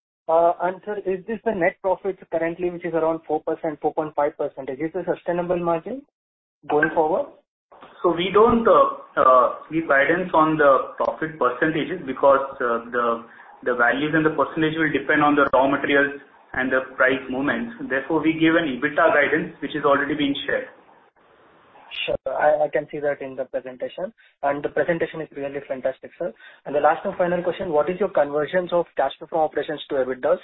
sir, is this the net profits currently, which is around 4%, 4.5%, is this sustainable margin going forward?
We don't we guidance on the profit percentages because the values and the percentage will depend on the raw materials and the price movements. We give an EBITDA guidance, which has already been shared.
Sure. I can see that in the presentation. The presentation is really fantastic, sir. The last and final question, what is your conversions of cash flow operations to EBITDAs?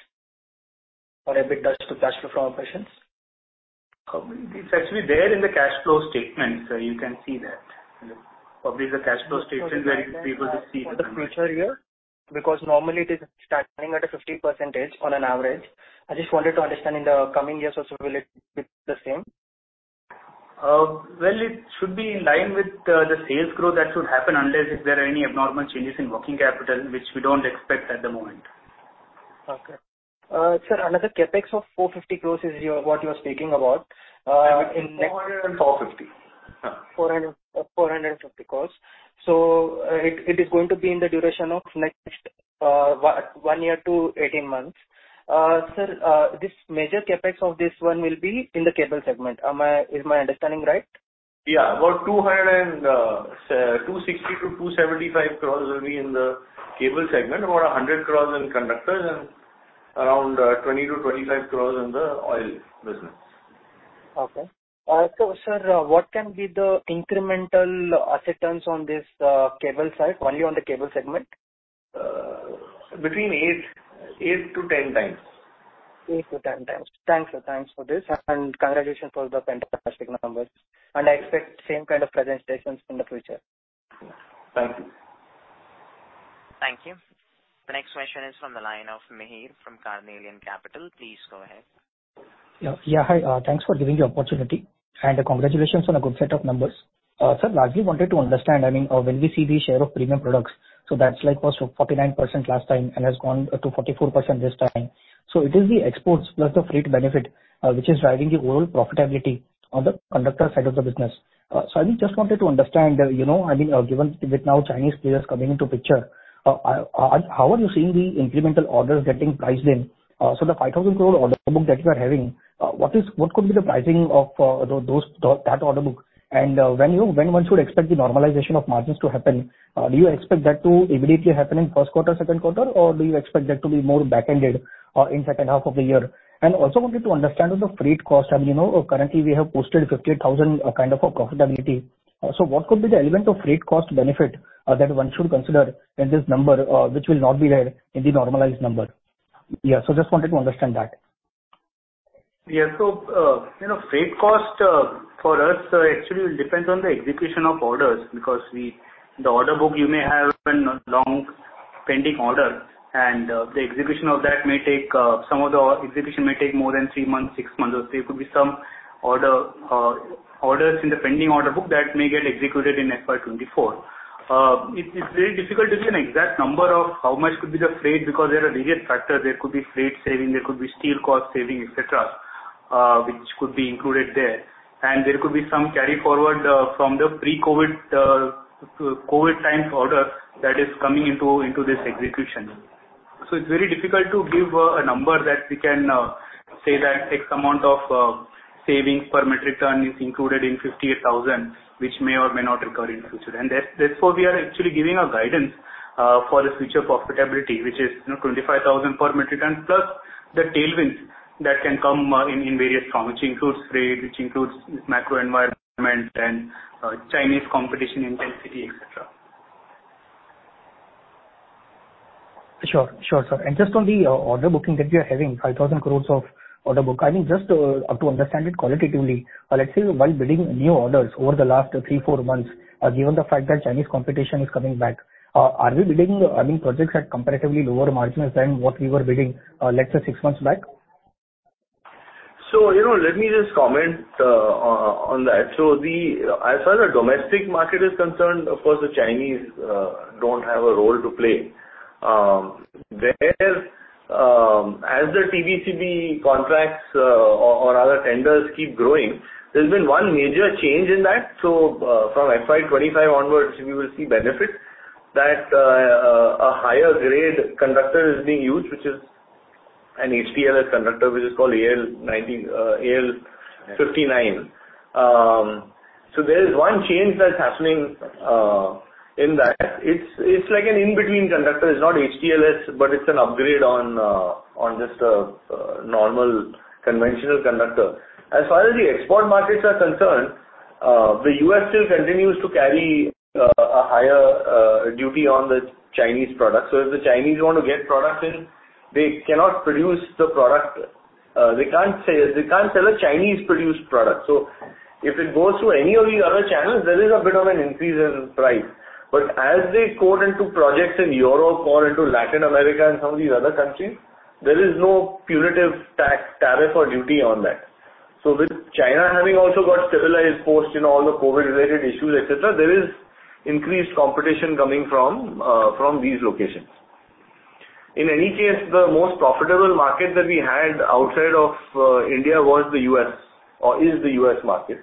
Or EBITDAs to cash flow operations?
It's actually there in the cash flow statement, sir, you can see that. Probably the cash flow statement is where people will see that.
For the future year? Normally it is starting at a 50% on an average. I just wanted to understand in the coming years also, will it be the same?
Well, it should be in line with the sales growth that should happen unless if there are any abnormal changes in working capital, which we don't expect at the moment.
Okay. Sir, another CapEx of 450 crores is what you're speaking about.
Four hundred and four fifty.
INR 400, INR 450 crores. It is going to be in the duration of next 1 year to 18 months. Sir, this major CapEx of this one will be in the Cable segment. Is my understanding right?
About 260-275 crores will be in the Cable segment, over 100 crores in Conductors and around 20-25 crores in the Oil business.
Okay. Sir, what can be the incremental asset turns on this, cable side, only on the cable segment?
between 8-10x.
8-10x. Thanks, sir. Thanks for this and congratulations for the fantastic numbers. I expect same kind of presentations in the future.
Thank you.
Thank you. The next question is from the line of Mihir from Carnelian Capital. Please go ahead.
Yeah. Yeah, hi. Thanks for giving the opportunity, and congratulations on a good set of numbers. Sir, largely wanted to understand, I mean, when we see the share of premium products, so that slide was 49% last time and has gone to 44% this time. It is the exports plus the freight benefit, which is driving the overall profitability on the Conductors side of the business. I mean, just wanted to understand, you know, I mean, given with now Chinese players coming into picture, how are you seeing the incremental orders getting priced in? The 5,000 crore order book that you are having, what could be the pricing of those, that order book? When one should expect the normalization of margins to happen, do you expect that to immediately happen in Q1, Q2, or do you expect that to be more back-ended in second half of the year? Also wanted to understand on the freight cost, I mean, you know, currently we have posted 58,000 kind of a profitability. What could be the element of freight cost benefit that one should consider in this number, which will not be there in the normalized number? Just wanted to understand that.
Yeah. You know, freight cost for us actually will depends on the execution of orders because we, the order book, you may have been a long pending order and the execution of that may take some of the execution may take more than 3 months, 6 months, or there could be some order orders in the pending order book that may get executed in FY 2024. It's very difficult to say an exact number of how much could be the freight, because there are various factors. There could be freight saving, there could be steel cost saving, etc., which could be included there. There could be some carry forward, from the pre-COVID, COVID times order that is coming into this execution. It's very difficult to give a number that we can say that X amount of savings per metric ton is included in 58,000, which may or may not recur in future. That's why we are actually giving a guidance for the future profitability, which is, you know, 25,000 per metric ton, plus the tailwinds that can come in various form, which includes rate, which includes macro environment and Chinese competition intensity, etc.
Sure. Sure, sir. Just on the order booking that you're having, 5,000 crores of order book, I mean, just to understand it qualitatively, let's say while bidding new orders over the last three, four months, given the fact that Chinese competition is coming back, are we bidding, I mean, projects at comparatively lower margins than what we were bidding, let's say six months back?
You know, let me just comment on that. As far as the domestic market is concerned, of course, the Chinese don't have a role to play. Whereas, as the TBCB contracts or other tenders keep growing, there's been one major change in that. From FY 25 onwards, we will see benefits that a higher grade conductor is being used, which is an HTLS conductor, which is called AL 90, AL59. There is one change that's happening in that. It's like an in-between conductor. It's not HTLS, but it's an upgrade on just a normal conventional conductor. As far as the export markets are concerned, the US still continues to carry a higher duty on the Chinese products. If the Chinese want to get product in, they cannot produce the product. They can't sell a Chinese-produced product. If it goes through any of these other channels, there is a bit of an increase in price. As they quote into projects in Europe or into Latin America and some of these other countries, there is no punitive tax, tariff or duty on that. With China having also got stabilized post, you know, all the COVID-related issues, et cetera, there is increased competition coming from these locations. In any case, the most profitable market that we had outside of India was the U.S. or is the U.S. market.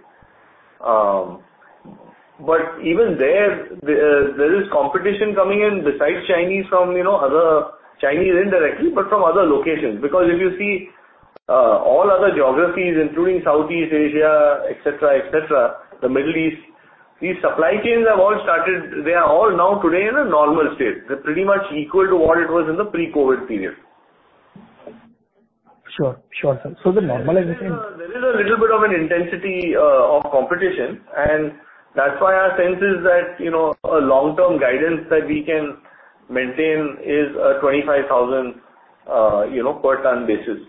But even there is competition coming in besides Chinese from, you know, other Chinese indirectly, but from other locations. If you see, all other geographies, including Southeast Asia, et cetera, et cetera, the Middle East, these supply chains have all started. They are all now today in a normal state. They're pretty much equal to what it was in the pre-COVID period.
Sure. Sure, sir. The normalization.
There is a little bit of an intensity of competition. That's why our sense is that, you know, a long-term guidance that we can maintain is 25,000, you know, per ton basis.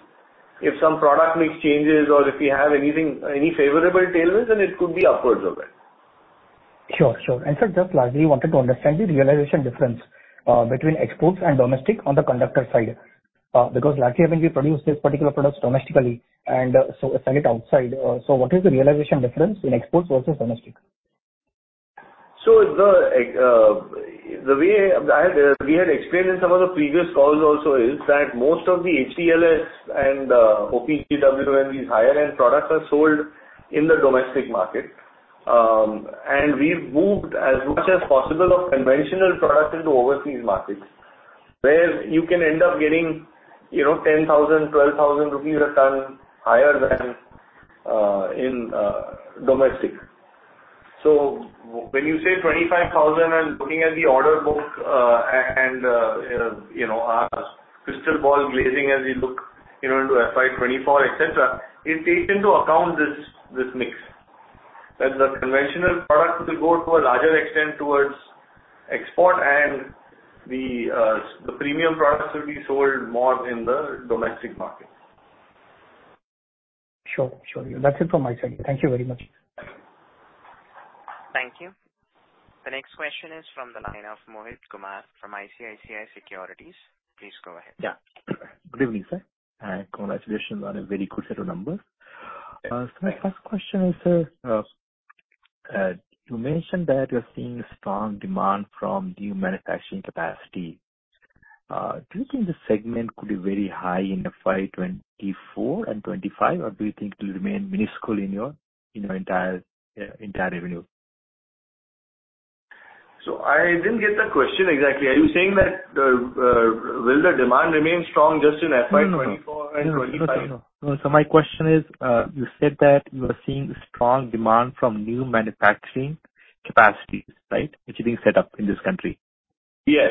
If some product mix changes or if we have anything, any favorable tailwinds, then it could be upwards of that.
Sure. Sure. Sir, just lastly, wanted to understand the realization difference, between exports and domestic on the conductor side. Because lastly, I think we produce this particular product domestically and, so sell it outside. What is the realization difference in exports versus domestic?
The way I've we had explained in some of the previous calls also is that most of the HTLS and OPGW and these higher-end products are sold in the domestic market. And we've moved as much as possible of conventional products into overseas markets, where you can end up getting, you know, 10,000, 12,000 rupees a ton higher than in domestic. When you say 25,000 and looking at the order book, and, you know, our crystal ball glazing as we look, you know, into FY 2024, et cetera, it takes into account this mix. That the conventional products will go to a larger extent towards export and the premium products will be sold more in the domestic market.
Sure. Sure. That's it from my side. Thank you very much.
Thank you. The next question is from the line of Mohit Kumar from ICICI Securities. Please go ahead.
Yeah. Good evening, sir, and congratulations on a very good set of numbers.
Thanks.
My first question is, you mentioned that you're seeing strong demand from new manufacturing capacity. Do you think the segment could be very high in FY 2024 and 2025, or do you think it'll remain minuscule in your entire revenue?
I didn't get the question exactly. Are you saying that will the demand remain strong just in FY 2024 and 2025?
No. My question is, you said that you are seeing strong demand from new manufacturing capacities, right? Which are being set up in this country.
Yes.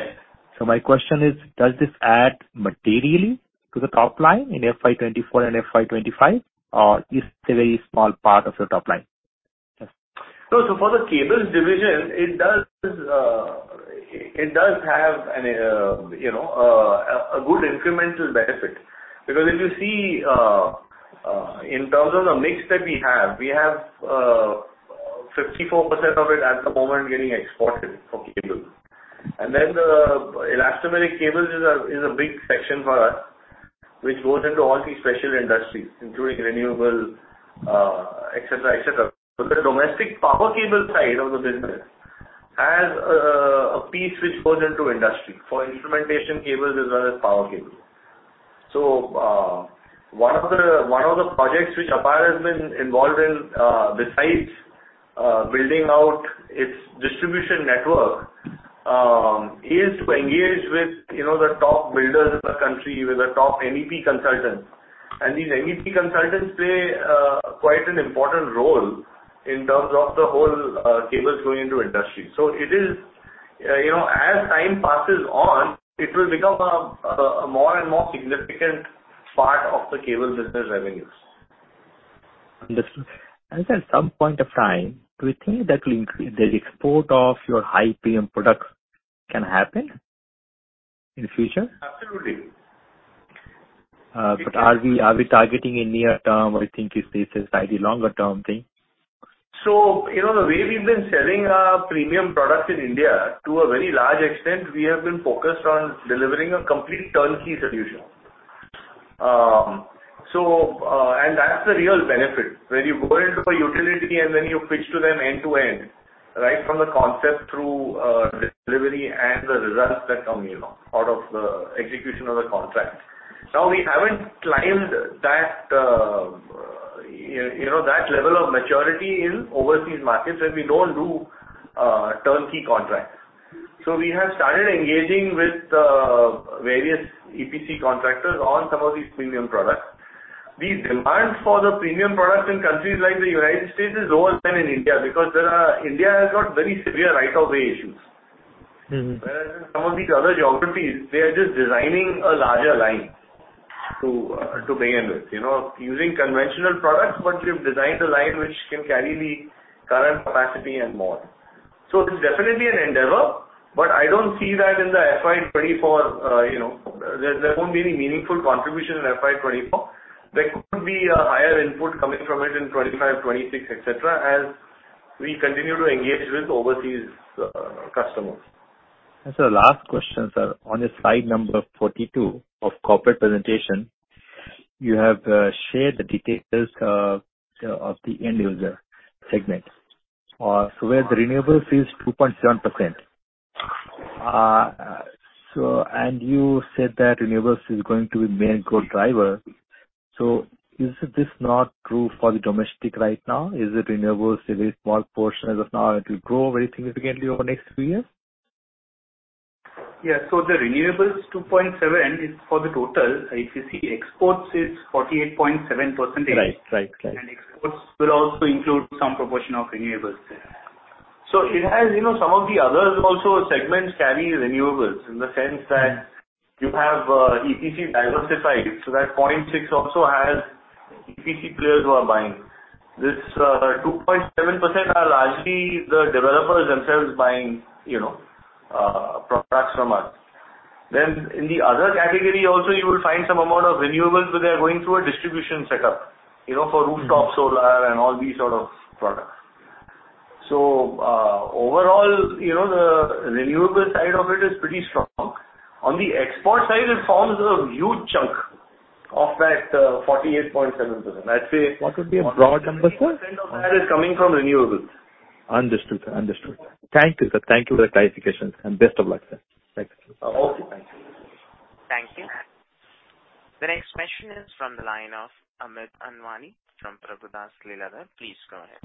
My question is, does this add materially to the top line in FY 2024 and FY 2025, or is it a very small part of the top line? Yes.
For the cables division, it does, it does have an, you know, a good incremental benefit. If you see, in terms of the mix that we have, we have 54% of it at the moment getting exported for cables. The elastomeric cables is a big section for us, which goes into all these special industries, including renewable, et cetera, et cetera. The domestic power cable side of the business has a piece which goes into industry for instrumentation cables as well as power cables. One of the projects which APAR has been involved in, besides building out its distribution network, is to engage with, you know, the top builders in the country, with the top MEP consultants. These NEP consultants play, quite an important role in terms of the whole, cables going into industry. It is, you know, as time passes on, it will become a more and more significant part of the cable business revenues.
Understood. At some point of time, do you think that will increase the export of your high premium products can happen in future?
Absolutely.
Are we targeting in near term, or you think is this a slightly longer term thing?
You know, the way we've been selling our premium products in India, to a very large extent, we have been focused on delivering a complete turnkey solution. That's the real benefit. When you go into a utility and then you pitch to them end-to-end, right from the concept through delivery and the results that come, you know, out of the execution of the contract. We haven't climbed that, you know, that level of maturity in overseas markets, and we don't do turnkey contracts. We have started engaging with various EPC contractors on some of these premium products. The demand for the premium products in countries like the United States is lower than in India because India has got very severe right-of-way issues. In some of these other geographies, they are just designing a larger line to begin with, you know. Using conventional products, but we've designed a line which can carry the current capacity and more. It's definitely an endeavor, but I don't see that in the FY24, you know, there won't be any meaningful contribution in FY24. There could be a higher input coming from it in 25, 26, et cetera, as we continue to engage with overseas customers.
Last question, sir. On your slide number 42 of corporate presentation, you have shared the details of the end user segment. where the renewables is 2.7%. You said that renewables is going to be main growth driver. Is this not true for the domestic right now? Is the renewables a very small portion as of now, it will grow very significantly over the next few years?
Yeah. The renewables 2.7 is for the total. If you see exports is 48.7%.
Right. Right. Right.
Exports will also include some proportion of renewables. It has some of the other also segments carry renewables, in the sense that you have EPC diversified, that 0.6 also has EPC players who are buying. This 2.7% are largely the developers themselves buying products from us. In the other category also, you will find some amount of renewables, but they are going through a distribution setup for rooftop solar and all these sort of products. Overall, the renewable side of it is pretty strong. On the export side, it forms a huge chunk of that 48.7%.
What would be a broad number, sir?
percent of that is coming from renewables.
Understood, sir. Understood. Thank you, sir. Thank you for the clarifications, and best of luck, sir. Thank you.
Okay. Thank you.
Thank you. The next question is from the line of Amit Anwani from Prabhudas Lilladher. Please go ahead.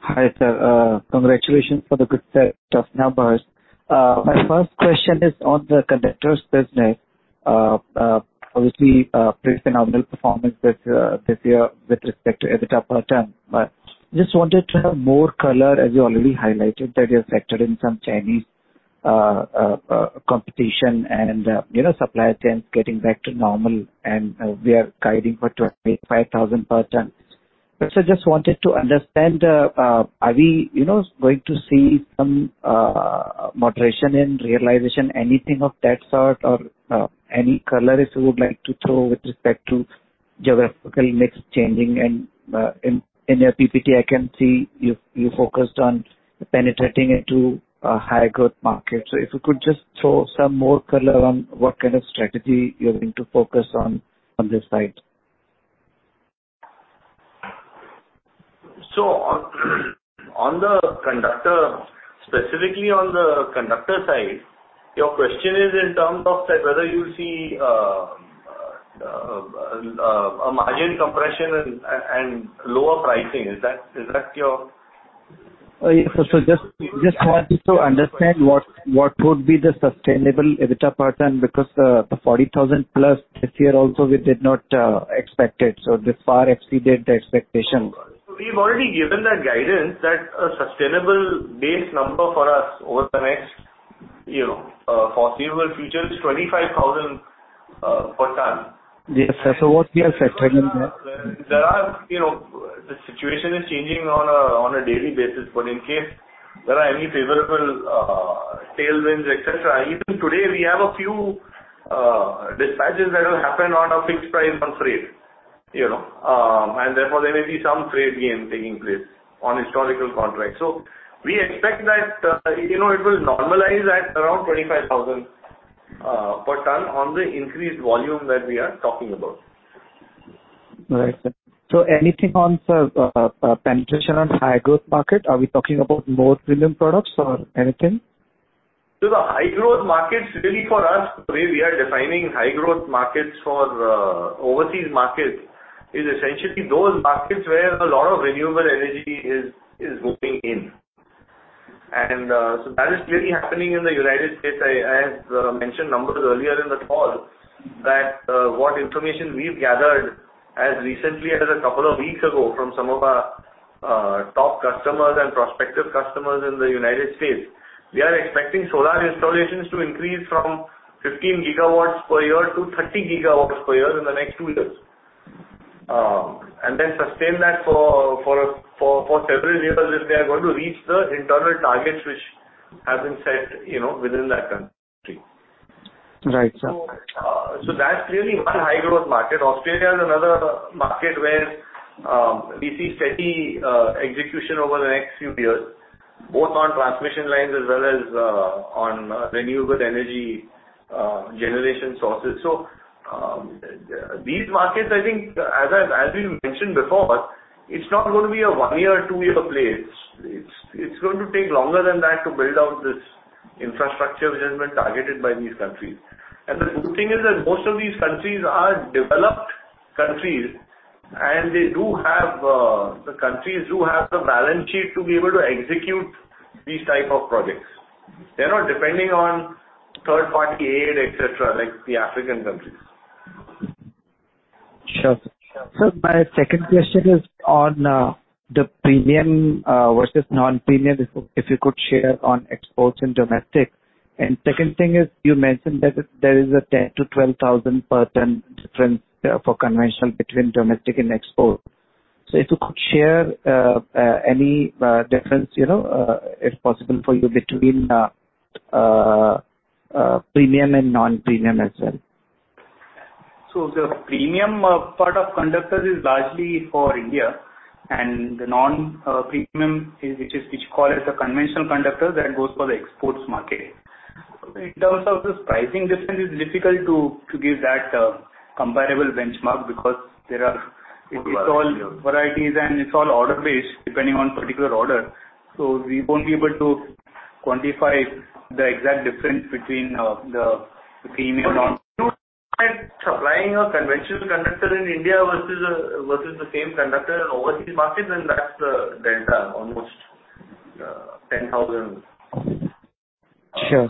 Hi, sir. Congratulations for the good set of numbers. My first question is on the conductors business. Obviously, pretty phenomenal performance this year with respect to EBITDA per ton. Just wanted to have more color, as you already highlighted, that you're factored in some Chinese competition and, you know, supply chains getting back to normal, and we are guiding for 25,000 per ton. Just wanted to understand, are we, you know, going to see some moderation in realization, anything of that sort? Any color if you would like to throw with respect to geographical mix changing? In your PPT, I can see you focused on penetrating into a higher growth market. If you could just throw some more color on what kind of strategy you're going to focus on this side.
On the conductor, specifically on the conductor side, your question is in terms of, like, whether you see a margin compression and lower pricing. Is that your-?
Yeah. just wanted to understand what would be the sustainable EBITDA per ton, because the 40,000 plus this year also we did not expect it. This far exceeded the expectation.
We've already given that guidance that a sustainable base number for us over the next, you know, foreseeable future is 25,000 per ton.
Yes, sir. What we have set then, yeah?
There are, you know, the situation is changing on a daily basis, but in case there are any favorable tailwinds, et cetera, even today, we have a few dispatches that will happen on a fixed price on freight, you know. Therefore, there may be some freight gain taking place on historical contracts. We expect that, you know, it will normalize at around 25,000 per ton on the increased volume that we are talking about.
Right, sir. Anything on, sir, penetration on high growth market? Are we talking about more premium products or anything?
The high growth markets really for us, the way we are defining high growth markets for overseas markets is essentially those markets where a lot of renewable energy is moving in. That is clearly happening in the United States. I have mentioned numbers earlier in the call that what information we've gathered as recently as a couple of weeks ago from some of our top customers and prospective customers in the United States. We are expecting solar installations to increase from 15 gigawatts per year to 30 gigawatts per year in the next 2 years. Then sustain that for several years if they are going to reach the internal targets which have been set, you know, within that country.
Right, sir.
That's really one high-growth market. Australia is another market where we see steady execution over the next few years, both on transmission lines as well as on renewable energy generation sources. These markets, I think, as I, as we mentioned before, it's not gonna be a 1-year or 2-year play. It's going to take longer than that to build out this infrastructure which has been targeted by these countries. The good thing is that most of these countries are developed countries, the countries do have the balance sheet to be able to execute these type of projects. They're not depending on third-party aid, et cetera, like the African countries.
Sure. My second question is on, the premium, versus non-premium, if you could share on exports and domestic. Second thing is you mentioned that there is a 10,000-12,000 per ton difference, for conventional between domestic and export. If you could share, any difference, you know, if possible for you between premium and non-premium as well.
The premium part of conductor is largely for India and the non premium is, which call as the conventional conductor that goes for the exports market. In terms of the pricing difference, it's difficult to give that comparable benchmark.
Okay.
it's all varieties and it's all order based, depending on particular order. We won't be able to quantify the exact difference between the premium and non. If you look at supplying a conventional conductor in India versus versus the same conductor in overseas markets then that's the delta, almost, INR 10,000.
Sure.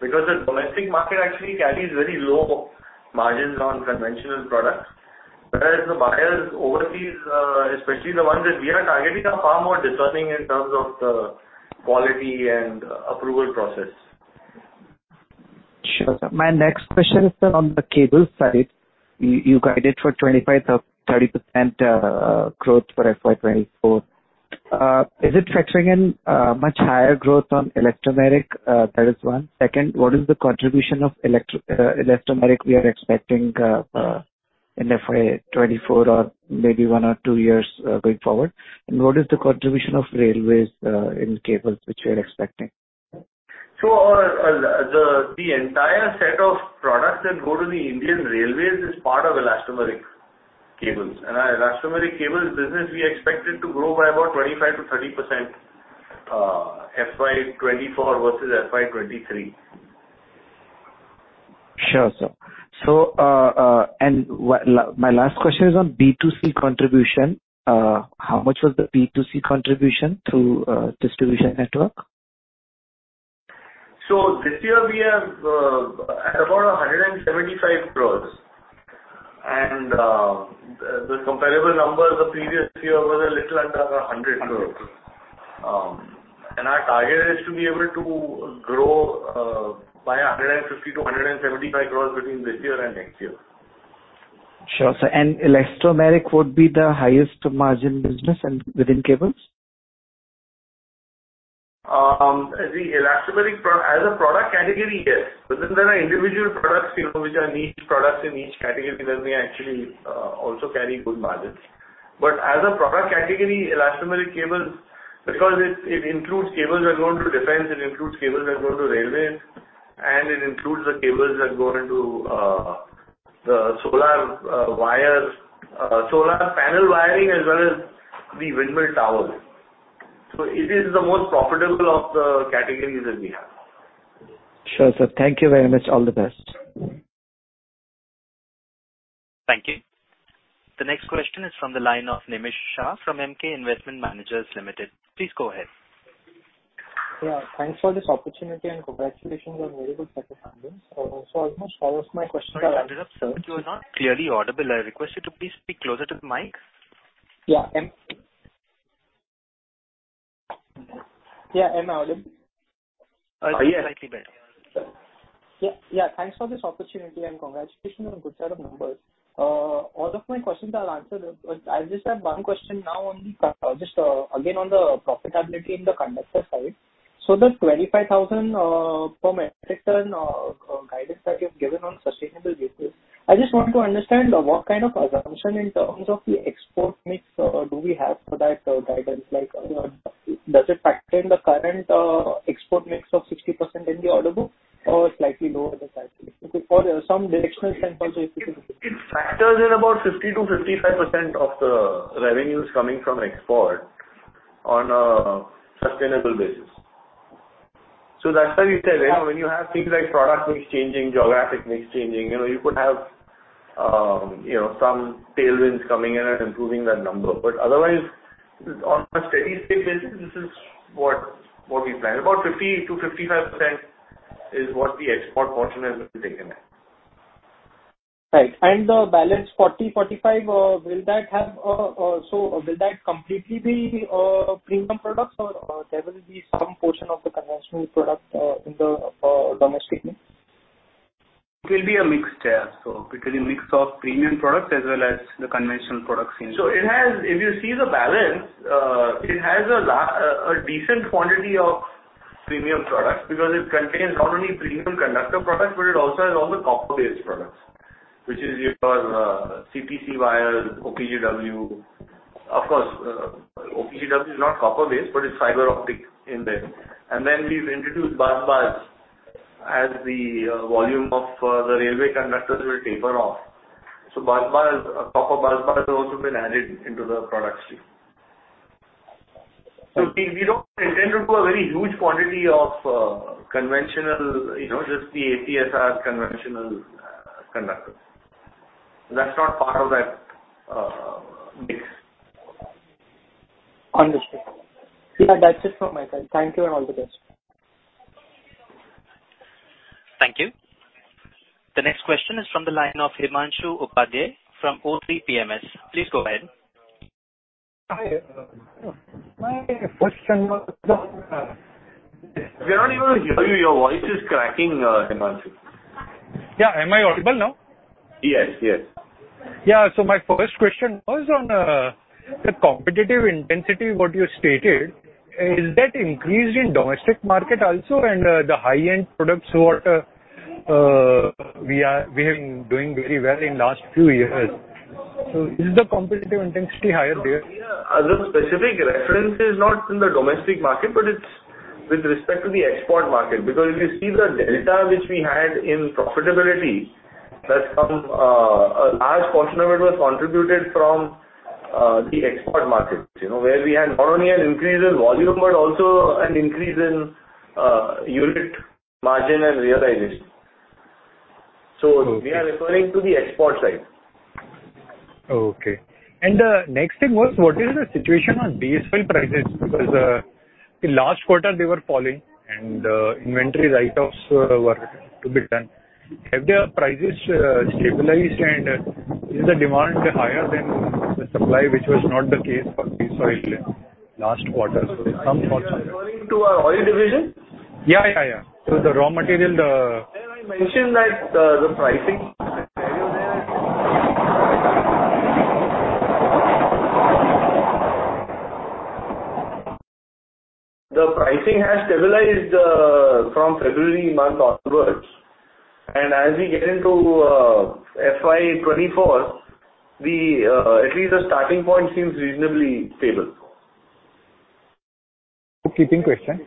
The domestic market actually carries very low margins on conventional products. The buyers overseas, especially the ones that we are targeting, are far more discerning in terms of the quality and approval process.
Sure. My next question is on the cable side. You guided for 25-30% growth for FY 2024. Is it factoring in much higher growth on elastomeric? That is one. Second, what is the contribution of electro, elastomeric we are expecting in FY 2024 or maybe 1 or 2 years going forward? What is the contribution of railways in cables, which we are expecting?
The entire set of products that go to the Indian Railways is part of elastomeric cables. Our elastomeric cables business we expect it to grow by about 25-30%, FY 2024 versus FY 2023.
Sure, sir. My last question is on B2C contribution. How much was the B2C contribution through distribution network?
This year we have, about 175 crores. The comparable numbers the previous year was a little under 100 crores.
INR 100 crores.
Our target is to be able to grow by 150 crore-175 crore between this year and next year.
Sure, sir. Elastomeric would be the highest margin business and within cables?
The elastomeric product category, yes. There are individual products, you know, which are niche products in each category that may actually also carry good margins. As a product category, elastomeric cables, because it includes cables that are going to defense, it includes cables that are going to railways, and it includes the cables that go into the solar wire, solar panel wiring as well as the windmill towers. It is the most profitable of the categories that we have.
Sure, sir. Thank you very much. All the best.
Thank you. The next question is from the line of Nemish Shah from Emkay Investment Managers Limited. Please go ahead.
Yeah, thanks for this opportunity and congratulations on very good set of numbers. Almost all of my questions are answered.
Sorry, sir, you are not clearly audible. I request you to please speak closer to the mic.
Yeah, am I audible?
yeah, slightly better.
Thanks for this opportunity and congratulations on good set of numbers. All of my questions are answered, but I just have one question now on the, again, on the profitability in the conductor side. The 25,000 per metric ton guidance that you've given on sustainable basis, I just want to understand what kind of assumption in terms of the export mix do we have for that guidance? Like, does it factor in the current export mix of 60% in the order book or slightly lower than that? If you could, for some directional sense also if you could.
It factors in about 50-55% of the revenues coming from export on a sustainable basis. That's why we said, you know, when you have things like product mix changing, geographic mix changing, you know, you could have, you know, some tailwinds coming in and improving that number. Otherwise, on a steady-state basis, this is what we plan. About 50-55% is what the export portion has been taken at.
Right. The balance 40-45, so will that completely be premium products or there will be some portion of the conventional product in the domestic mix?
It will be a mixed, yeah. It will be mix of premium products as well as the conventional products in. It has, if you see the balance, it has a decent quantity of premium products because it contains not only premium conductor products, but it also has all the copper-based products, which is your CPC wire, OPGW. Of course, OPGW is not copper-based, but it's fiber optic in there. We've introduced busbars as the volume of the railway conductors will taper off. Busbars, copper busbars have also been added into the product stream. We, we don't intend to go a very huge quantity of conventional, you know, just the ACSR conventional conductors. That's not part of that mix.
Understood. Yeah, that's it from my side. Thank you, and all the best.
Thank you. The next question is from the line of Himanshu Upadhyay from o3 Capital. Please go ahead.
Hi. My first question was
We're not able to hear you. Your voice is cracking, Himanshu.
Yeah. Am I audible now?
Yes, yes.
My first question was on the competitive intensity, what you stated. Is that increased in domestic market also and the high-end products what we have been doing very well in last few years? Is the competitive intensity higher there?
The specific reference is not in the domestic market, but it's with respect to the export market. If you see the delta which we had in profitability, that's from a large portion of it was contributed from the export markets, you know, where we had not only an increase in volume, but also an increase in unit margin and realization. We are referring to the export side.
Okay. Next thing was, what is the situation on diesel prices? Because in last quarter they were falling and inventory write-offs were to be done. Have their prices stabilized and is the demand higher than the supply, which was not the case for diesel in last quarter? Some thoughts on that.
You are referring to our oil division?
Yeah. The raw material.
May I mention that, the pricing has stabilized, from February month onwards, and as we get into, FY 2024, at least the starting point seems reasonably stable.
Keeping question.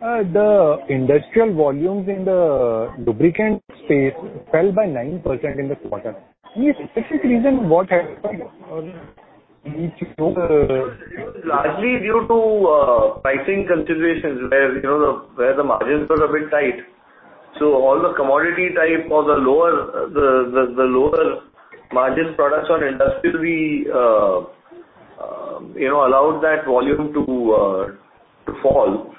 The industrial volumes in the lubricant space fell by 9% in the quarter. Any specific reason what has come or if you know?
Largely due to pricing considerations where, you know, where the margins are a bit tight. All the commodity type or the lower margin products or industrially, you know, allowed that volume to fall.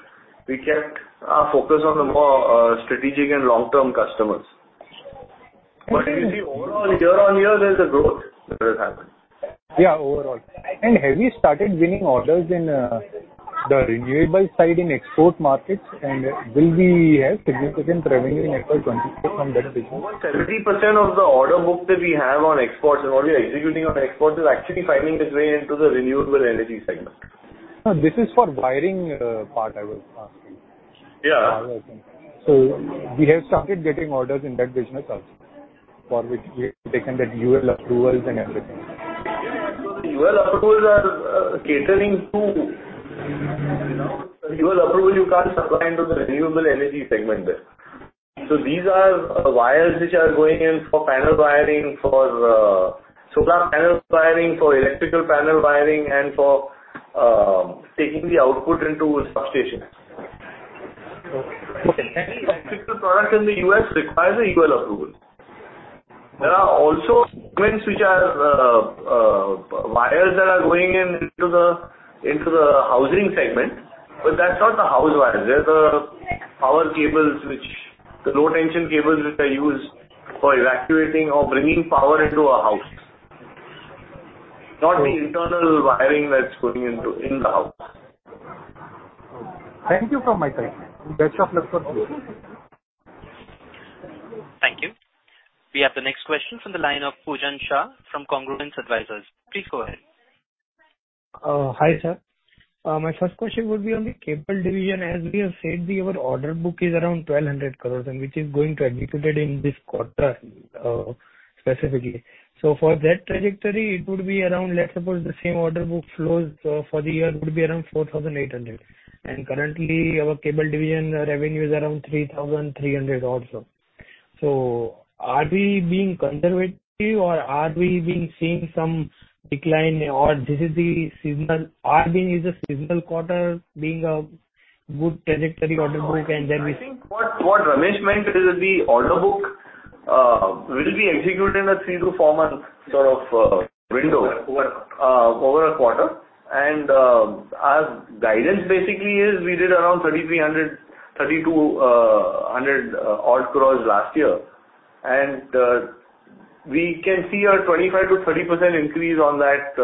We kept our focus on the more strategic and long-term customers. If you see overall year-over-year, there is a growth that has happened.
Yeah, overall. Have you started winning orders in the renewable side in export markets and will we have significant revenue in FY twenty-four from that business?
Over 70% of the order book that we have on exports and what we are executing on exports is actually finding its way into the renewable energy segment.
No, this is for wiring, part I was asking.
Yeah.
We have started getting orders in that business also, for which we have taken the UL approvals and everything.
Yeah. The UL approvals are catering to, you know, the UL approval you can't supply into the renewable energy segment there. These are wires which are going in for panel wiring, for solar panel wiring, for electrical panel wiring, and for taking the output into substations.
Okay. Thank you.
Any electrical product in the U.S. requires a UL approval. There are also segments which are wires that are going into the housing segment, but that's not the house wires. They're the power cables which... the Low Tension cables which are used for evacuating or bringing power into a house. Not the internal wiring that's going into the house.
Thank you from my side. Best of luck for Q-
Thank you. We have the next question from the line of Pujan Shah from Congruence Advisers. Please go ahead.
Hi, sir. My first question would be on the cable division. We have said, our order book is around 1,200 crores and which is going to executed in this quarter, specifically. For that trajectory, it would be around, let's suppose the same order book flows, for the year, it would be around 4,800. Currently our cable division revenue is around 3,300 also. Are we being conservative or are we being seeing some decline or this is the seasonal is a seasonal quarter being a good trajectory order book and then we?
I think what Ramesh meant is the order book will be executed in a 3-4 month sort of window over a quarter. Our guidance basically is we did around 3,300, 3,200 odd crores last year. We can see a 25-30% increase on that,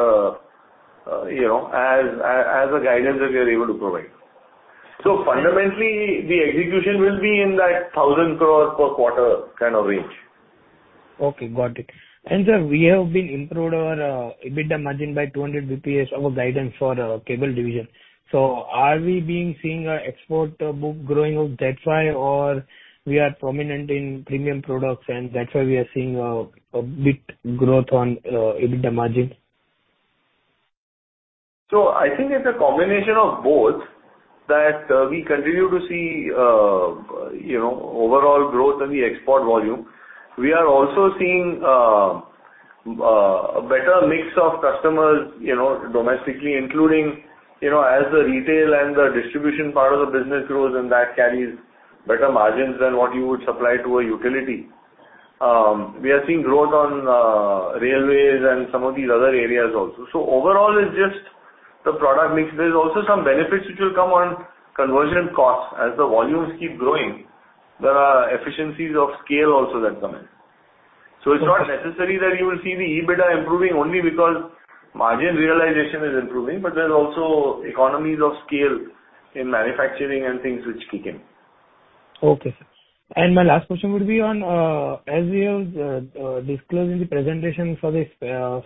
you know, as a guidance that we are able to provide. Fundamentally, the execution will be in that 1,000 crores per quarter kind of range.
Okay, got it. Sir, we have been improved our EBITDA margin by 200 BPS above guidance for our cable division. Are we being seeing our export book growing, that's why? We are prominent in premium products and that's why we are seeing a bit growth on EBITDA margin?
I think it's a combination of both that, we continue to see, you know, overall growth in the export volume. We are also seeing a better mix of customers, you know, domestically, including, you know, as the retail and the distribution part of the business grows, that carries better margins than what you would supply to a utility. We are seeing growth on railways and some of these other areas also. Overall, it's just the product mix. There's also some benefits which will come on conversion costs. As the volumes keep growing, there are efficiencies of scale also that come in. It's not necessarily that you will see the EBITDA improving only because margin realization is improving, there's also economies of scale in manufacturing and things which kick in.
Okay, sir. My last question would be on, as you disclosed in the presentation for this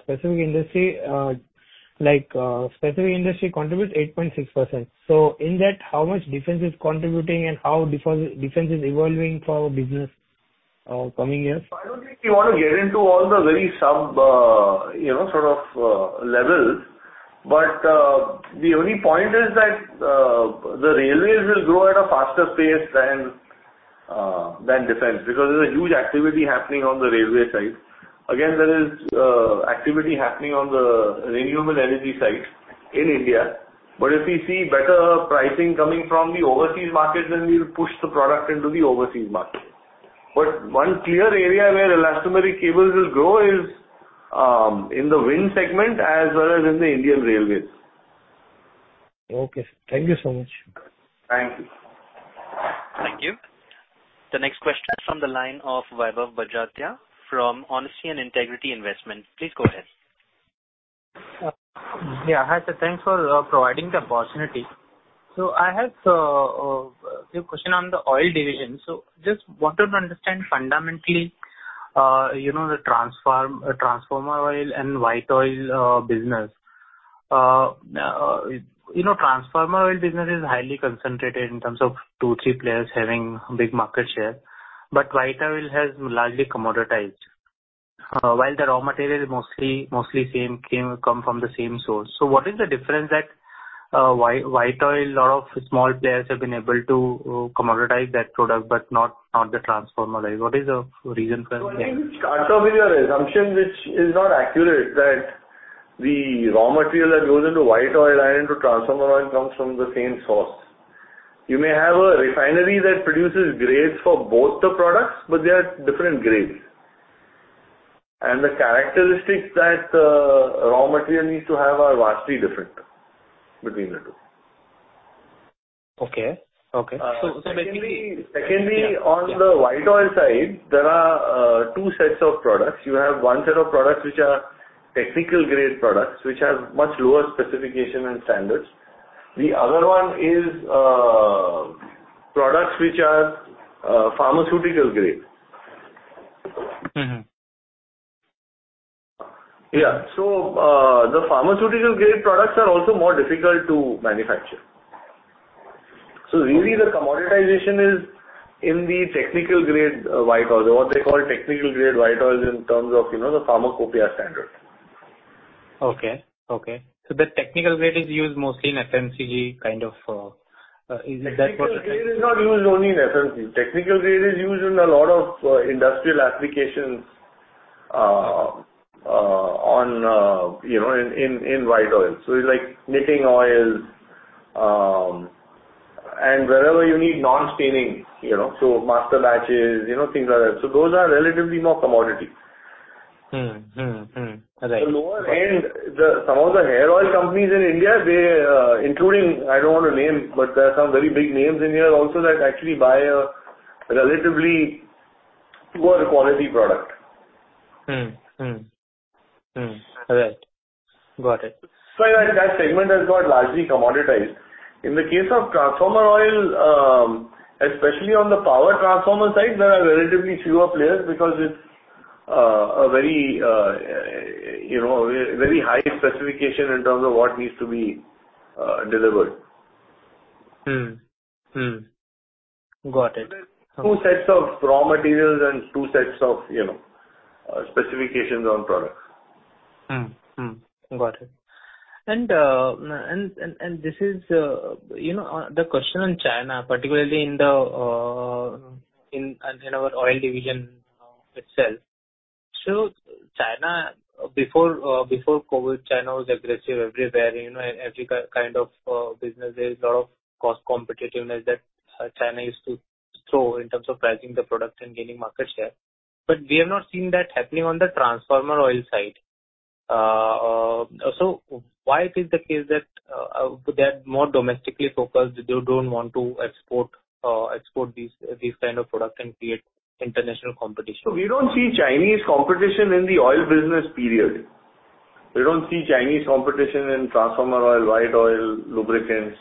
specific industry, specific industry contributes 8.6%. In that, how much defense is contributing and how defense is evolving for our business, coming years?
I don't think we wanna get into all the very sub, you know, sort of, levels. The only point is that the railways will grow at a faster pace than than defense, because there's a huge activity happening on the railway side. Again, there is activity happening on the renewable energy side in India. If we see better pricing coming from the overseas market, then we'll push the product into the overseas market. One clear area where elastomeric cables will grow is in the wind segment as well as in the Indian Railways.
Okay, sir. Thank you so much.
Thank you.
Thank you. The next question is from the line of Vaibhav Badjatya from Honesty and Integrity Investment. Please go ahead.
Yeah. Hi, sir. Thanks for providing the opportunity. I have a few question on the oil division. Just wanted to understand fundamentally, you know, the transformer oil and white oil business. You know, transformer oil business is highly concentrated in terms of two, three players having big market share, but white oil has largely commoditized, while the raw material is mostly come from the same source. What is the difference that white oil, lot of small players have been able to commoditize that product but not the transformer oil. What is the reason for that?
I think you start off with your assumption, which is not accurate, that the raw material that goes into white oil and into transformer oil comes from the same source. You may have a refinery that produces grades for both the products, but they are different grades. The characteristics that raw material needs to have are vastly different between the two.
Okay.
Secondly, on the white oil side, there are two sets of products. You have one set of products which are technical grade products, which have much lower specification and standards. The other one is products which are pharmaceutical grade The pharmaceutical grade products are also more difficult to manufacture. Really the commoditization is in the technical grade, white oil, or what they call technical grade white oils in terms of, you know, the pharmacopoeia standard.
Okay. Okay. The technical grade is used mostly in FMCG kind of. Is it that what you're saying?
Technical grade is not used only in FMC. Technical grade is used in a lot of industrial applications on, you know, in white oil. It's like knitting oils, and wherever you need non-staining, you know, master batches, you know, things like that. Those are relatively more commodity.
Mm-hmm. Mm-hmm. Mm-hmm. All right.
The lower end, the some of the hair oil companies in India, they including I don't want to name, but there are some very big names in here also that actually buy a relatively lower quality product.
All right. Got it.
That, that segment has got largely commoditized. In the case of transformer oil, especially on the power transformer side, there are relatively fewer players because it's a very, you know, very high specification in terms of what needs to be delivered.
Got it.
There's 2 sets of raw materials and 2 sets of, you know, specifications on products.
Got it. This is, you know, the question on China, particularly in our oil division itself. China, before COVID, China was aggressive everywhere. You know, every kind of business, there is a lot of cost competitiveness that China used to throw in terms of pricing the product and gaining market share. We have not seen that happening on the transformer oil side. Why it is the case that they are more domestically focused, they don't want to export these kind of product and create international competition?
We don't see Chinese competition in the oil business, period. We don't see Chinese competition in transformer oil, white oil, lubricants.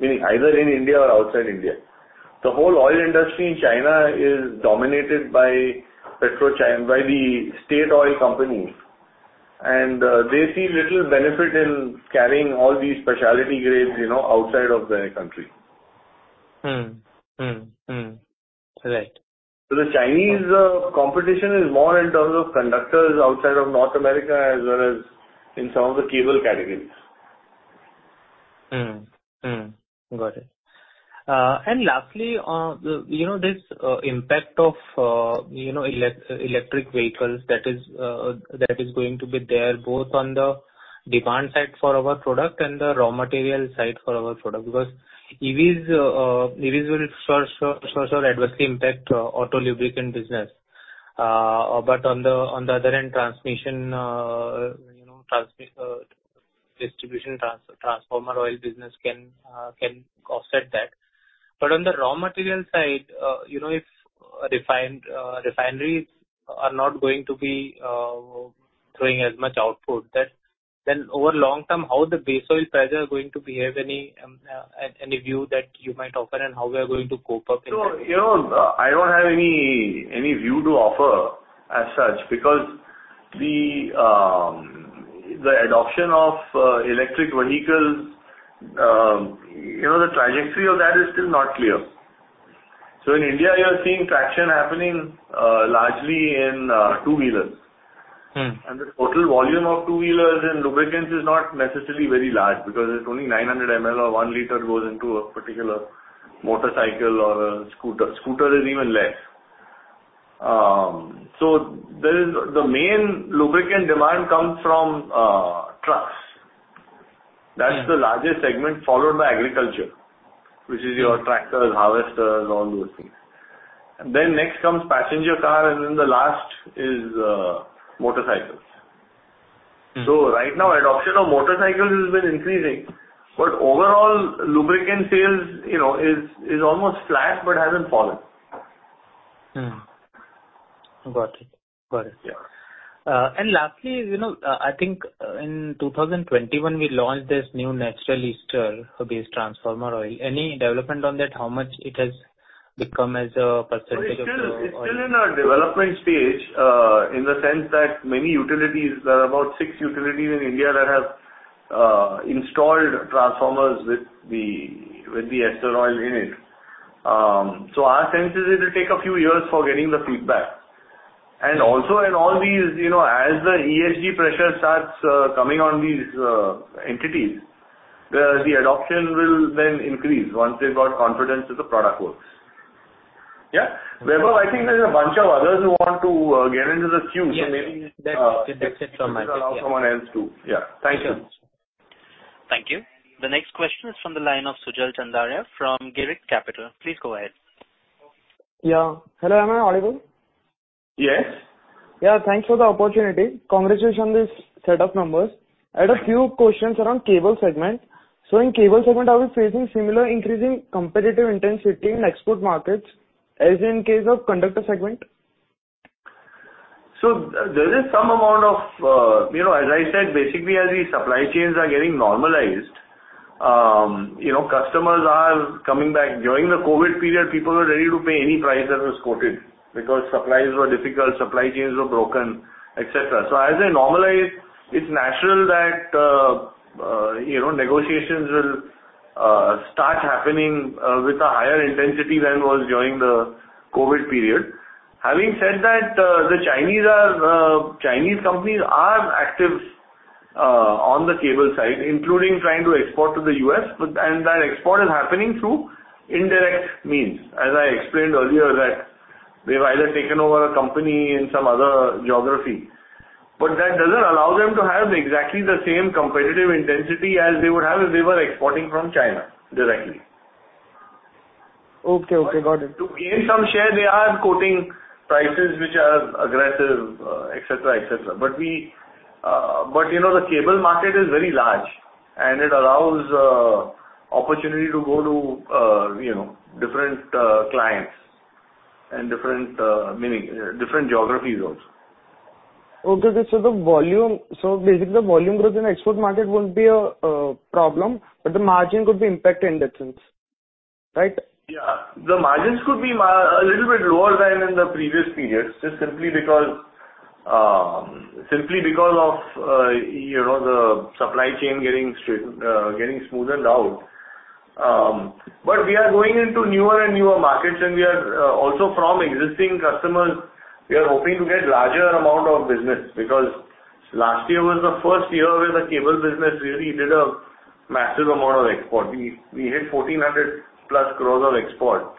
Meaning, either in India or outside India. The whole oil industry in China is dominated by PetroChina, by the state oil companies. They see little benefit in carrying all these specialty grades, you know, outside of their country.
Correct.
The Chinese competition is more in terms of conductors outside of North America as well as in some of the cable categories.
Got it. Lastly, you know, this impact of, you know, electric vehicles that is going to be there both on the demand side for our product and the raw material side for our product. EVs will first adversely impact auto lubricant business. On the other hand, transmission, you know, distribution transformer oil business can offset that. On the raw material side, you know, if refined refineries are not going to be doing as much output, then over long term, how the base oil prices are going to behave? Any view that you might offer and how we are going to cope up in that?
you know, I don't have any view to offer as such because the adoption of electric vehicles, you know, the trajectory of that is still not clear. In India you're seeing traction happening largely in two-wheelers. The total volume of two-wheelers and lubricants is not necessarily very large because it's only 900 ml or 1 liter goes into a particular motorcycle or a scooter. Scooter is even less. The main lubricant demand comes from trucks. That's the largest segment, followed by agriculture, which is your tractors, harvesters, all those things. Next comes passenger car. The last is motorcycles Right now adoption of motorcycles has been increasing. Overall lubricant sales, you know, is almost flat but hasn't fallen.
Mm-hmm. Got it. Got it.
Yeah.
lastly, you know, I think in 2021, we launched this new natural ester-based transformer oil. Any development on that? How much it has become as a percentage of the oil?
It's still in our development stage, in the sense that many utilities, there are about 6 utilities in India that have installed transformers with the ester oil in it. Our sense is it'll take a few years for getting the feedback. Also in all these, you know, as the ESG pressure starts, coming on these entities, the adoption will then increase once they've got confidence that the product works. Yeah. Vaibhav, I think there's a bunch of others who want to get into the queue.
Yes.
maybe
That's it from my side, yeah....
allow someone else to... Yeah. Thank you.
Thank you.
The next question is from the line of Sujal Chandaria from Girik Capital. Please go ahead.
Yeah. Hello, am I audible?
Yes.
Yeah, thanks for the opportunity. Congratulations on this set of numbers. I had a few questions around cable segment. In cable segment, are we facing similar increasing competitive intensity in export markets as in case of conductor segment?
There is some amount of, you know, as I said, basically as the supply chains are getting normalized, you know, customers are coming back. During the COVID period, people were ready to pay any price that was quoted because supplies were difficult, supply chains were broken, et cetera. As they normalize, it's natural that, you know, negotiations will start happening with a higher intensity than was during the COVID period. Having said that, the Chinese are Chinese companies are active on the cable side, including trying to export to the U.S. That export is happening through indirect means, as I explained earlier, that they've either taken over a company in some other geography. That doesn't allow them to have exactly the same competitive intensity as they would have if they were exporting from China directly.
Okay. Okay. Got it.
To gain some share they are quoting prices which are aggressive, et cetera, et cetera. You know, the cable market is very large, and it allows opportunity to go to, you know, different clients and different, meaning different geographies also.
Okay. Basically the volume growth in export market won't be a problem, but the margin could be impacted in that sense, right?
Yeah. The margins could be a little bit lower than in the previous periods, just simply because, simply because of, you know, the supply chain getting straight, getting smoothened out. We are going into newer and newer markets, and we are also from existing customers, we are hoping to get larger amount of business. Last year was the first year where the cable business really did a massive amount of export. We hit 1,400+ crores of export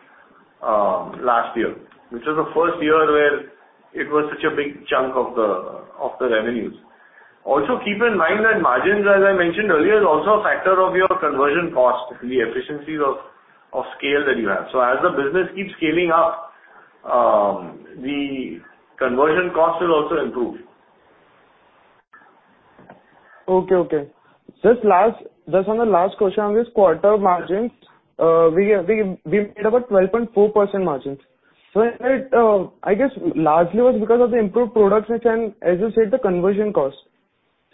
last year, which was the first year where it was such a big chunk of the revenues. Also, keep in mind that margins, as I mentioned earlier, is also a factor of your conversion cost, the efficiencies of scale that you have. As the business keeps scaling up, the conversion cost will also improve.
Okay. Just on the last question on this quarter margins, we made about 12.4% margins. It, I guess largely was because of the improved products which can associate the conversion cost.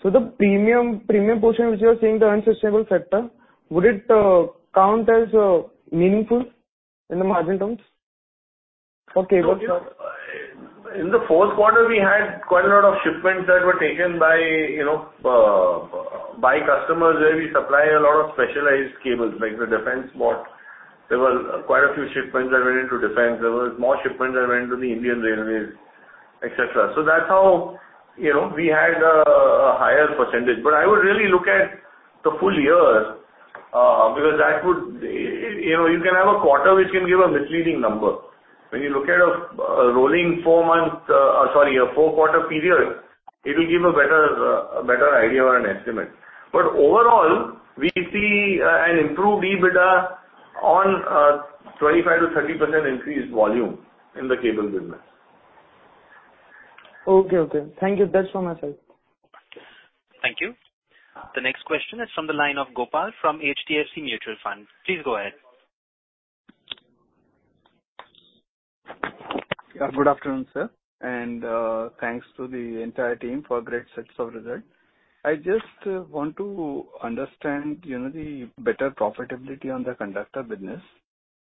The premium portion which you are saying the unsustainable factor, would it count as meaningful in the margin terms for cable?
In the Q4 we had quite a lot of shipments that were taken by, you know, by customers where we supply a lot of specialized cables, like the defense spot. There were quite a few shipments that went into defense. There was more shipments that went to the Indian Railways, et cetera. That's how, you know, we had a higher percentage. I would really look at the full year, because that would, you know, you can have a quarter which can give a misleading number. When you look at a rolling four-month, sorry, a four-quarter period, it will give a better idea or an estimate. Overall, we see an improved EBITDA on 25-30% increased volume in the cable business.
Okay, okay. Thank you. That's all myself.
Thank you. The next question is from the line of Gopal from HDFC Mutual Fund. Please go ahead.
Good afternoon, sir, thanks to the entire team for great sets of result. I just want to understand, you know, the better profitability on the conductor business.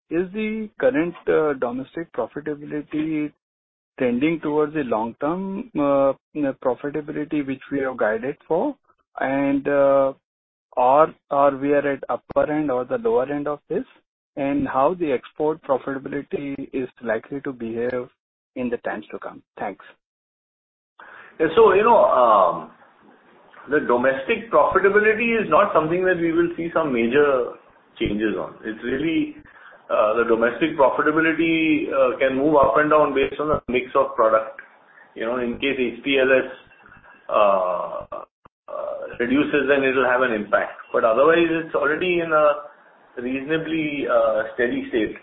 Is the current domestic profitability trending towards a long-term, you know, profitability which we have guided for or we are at upper end or the lower end of this? How the export profitability is likely to behave in the times to come? Thanks.
Yeah. you know, the domestic profitability is not something that we will see some major changes on. It's really, the domestic profitability can move up and down based on a mix of product. You know, in case HTLS reduces, then it'll have an impact. Otherwise it's already in a reasonably steady state.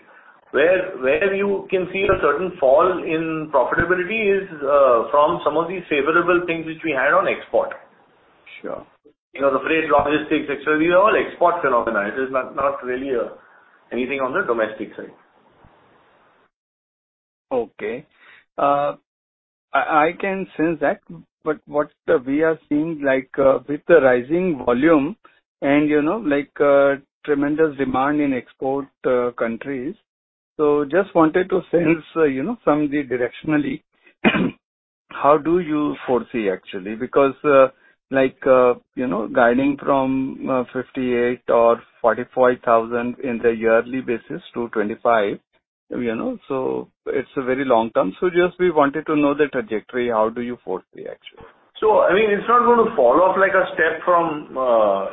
Where you can see a certain fall in profitability is from some of these favorable things which we had on export.
Sure.
You know, the freight logistics, et cetera, these are all export phenomena. It is not really anything on the domestic side.
Okay. I can sense that. What we are seeing, like, with the rising volume and, you know, like, tremendous demand in export countries. Just wanted to sense, you know, from the directionally how do you foresee actually? Because, like, you know, guiding from 58,000 or 45,000 in the yearly basis to 25, you know, so it's very long-term. Just we wanted to know the trajectory, how do you foresee actually?
I mean, it's not gonna fall off like a step from,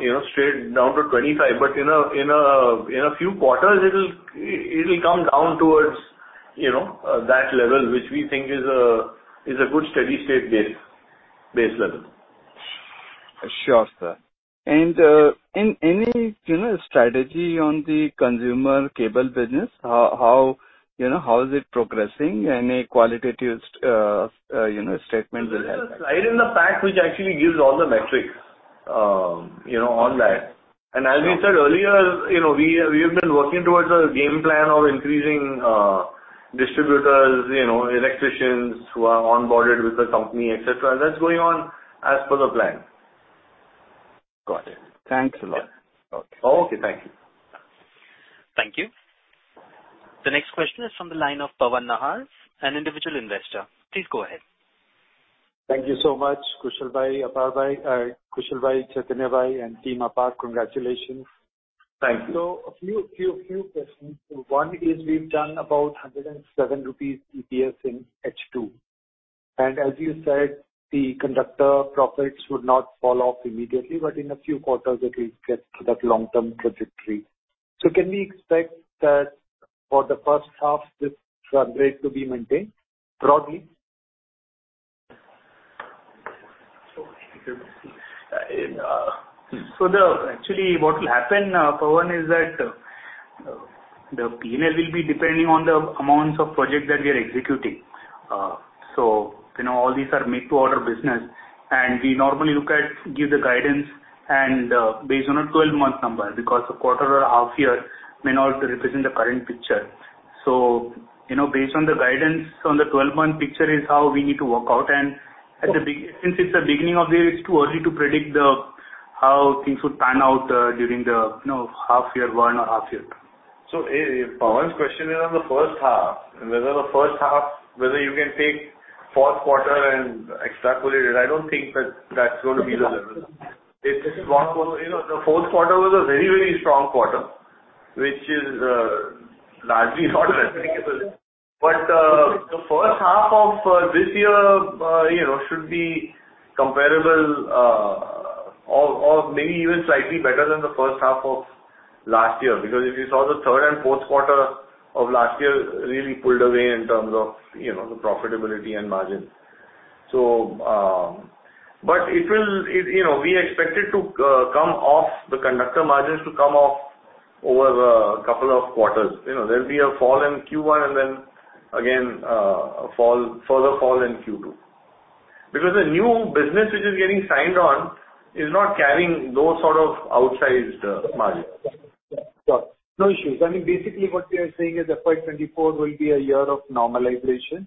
you know, straight down to 25, but in a, in a, in a few quarters it'll come down towards, you know, that level, which we think is a, is a good steady state base level.
Sure, sir. Any, you know, strategy on the consumer cable business? How, you know, how is it progressing? Any qualitative, you know, statement will help.
There's a slide in the pack which actually gives all the metrics, you know, on that. As we said earlier, you know, we have been working towards a game plan of increasing distributors, you know, electricians who are onboarded with the company, et cetera. That's going on as per the plan.
Got it. Thanks a lot.
Okay. Thank you.
Thank you. The next question is from the line of Pawan Nahar, an individuaPlease go ahead.
Thank you so much, Kushalbhai, Aparbhai, Kushalbhai, Chaitanyabhai and team Apar. Congratulations.
Thank you.
A few questions. One, we've done about 107 rupees EPS in H2. As you said, the conductor profits would not fall off immediately, but in a few quarters it will get to that long-term trajectory. Can we expect that for the first half this run rate to be maintained broadly?
Actually, what will happen, Pawan, is that the P&L will be depending on the amounts of projects that we are executing. You know, all these are made to order business, and we normally look at, give the guidance and based on a 12-month number, because a quarter or a half year may not represent the current picture. You know, based on the guidance on the 12-month picture is how we need to work out. Since it's the beginning of the year, it's too early to predict the, how things would pan out during the, you know, half year 1 or half year 2.
Pawan's question is on the first half, and whether the first half, whether you can take Q4 and extrapolate it. I don't think that that's going to be the level. It is not poss-- You know, the Q4 was a very, very strong quarter, which is largely not replicable. The first half of this year, you know, should be comparable, or maybe even slightly better than the first half of last year. Because if you saw the third and Q4 of last year really pulled away in terms of, you know, the profitability and margin. it will, you know, we expect it to come off, the conductor margins to come offOver a couple of quarters, you know, there'll be a fall in Q1 and then again, further fall in Q2. The new business which is getting signed on is not carrying those sort of outsized margins.
Yeah. Got it. No issues. I mean, basically what you are saying is FY 2024 will be a year of normalization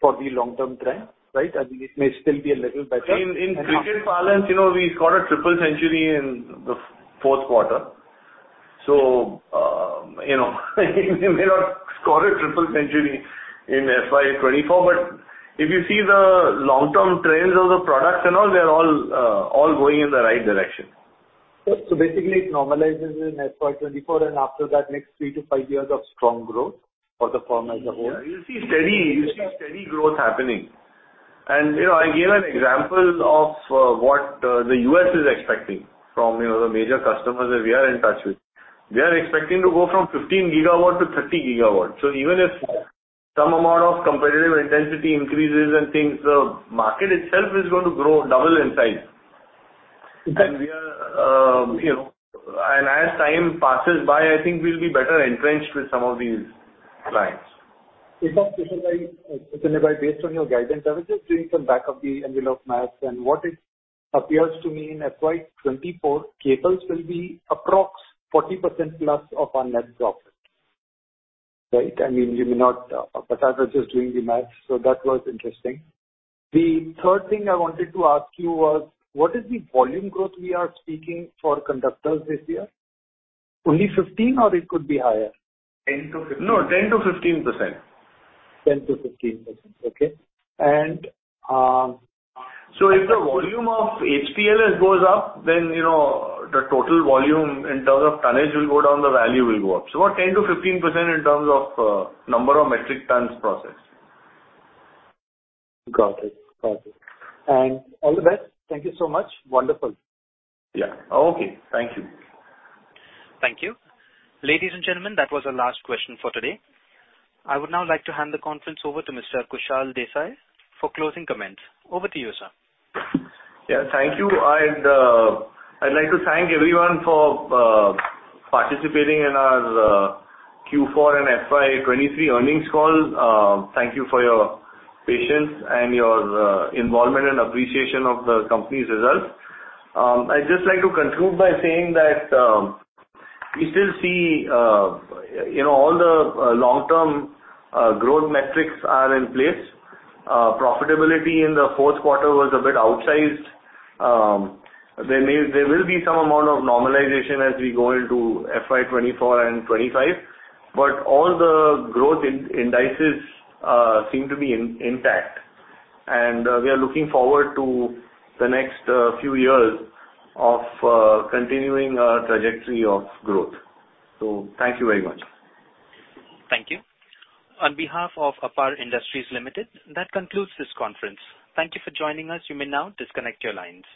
for the long-term trend, right? I mean, it may still be a little better.
In cricket parlance, you know, we scored a triple century in the Q4. you know, we may not score a triple century in FY24, but if you see the long-term trends of the products and all, they're all going in the right direction.
Basically it normalizes in FY 2024, and after that, next 3-5 years of strong growth for the firm as a whole.
Yeah, you'll see steady growth happening. You know, I gave an example of what the US is expecting from, you know, the major customers that we are in touch with. They are expecting to go from 15 gigawatt to 30 gigawatt. Even if some amount of competitive intensity increases and things, the market itself is going to grow double in size.
Exactly.
We are, you know. As time passes by, I think we'll be better entrenched with some of these clients.
Based on your guidance, I was just doing some back of the envelope math, and what it appears to me in FY 2024, cables will be approx 40%+ of our net profit. Right? I mean, you may not, but I was just doing the math, so that was interesting. The third thing I wanted to ask you was, what is the volume growth we are speaking for conductors this year? Only 15 or it could be higher?
10-15.
No, 10-15%.
10-15%. Okay. If the volume of HTLS goes up, then, you know, the total volume in terms of tonnage will go down, the value will go up. About 10-15% in terms of number of metric tons processed.
Got it. All the best. Thank you so much. Wonderful.
Yeah. Okay. Thank you.
Thank you. Ladies and gentlemen, that was our last question for today. I would now like to hand the conference over to Mr. Kushal Desai for closing comments. Over to you, sir.
Yeah, thank you. I'd like to thank everyone for participating in our Q4 and FY 2023 earnings call. Thank you for your patience and your involvement and appreciation of the company's results. I'd just like to conclude by saying that we still see, you know, all the long-term growth metrics are in place. Profitability in the Q4 was a bit outsized. There will be some amount of normalization as we go into FY 2024 and 2025, but all the growth indices seem to be intact. We are looking forward to the next few years of continuing our trajectory of growth. Thank you very much.
Thank you. On behalf of APAR Industries Limited, that concludes this conference. Thank you for joining us. You may now disconnect your lines.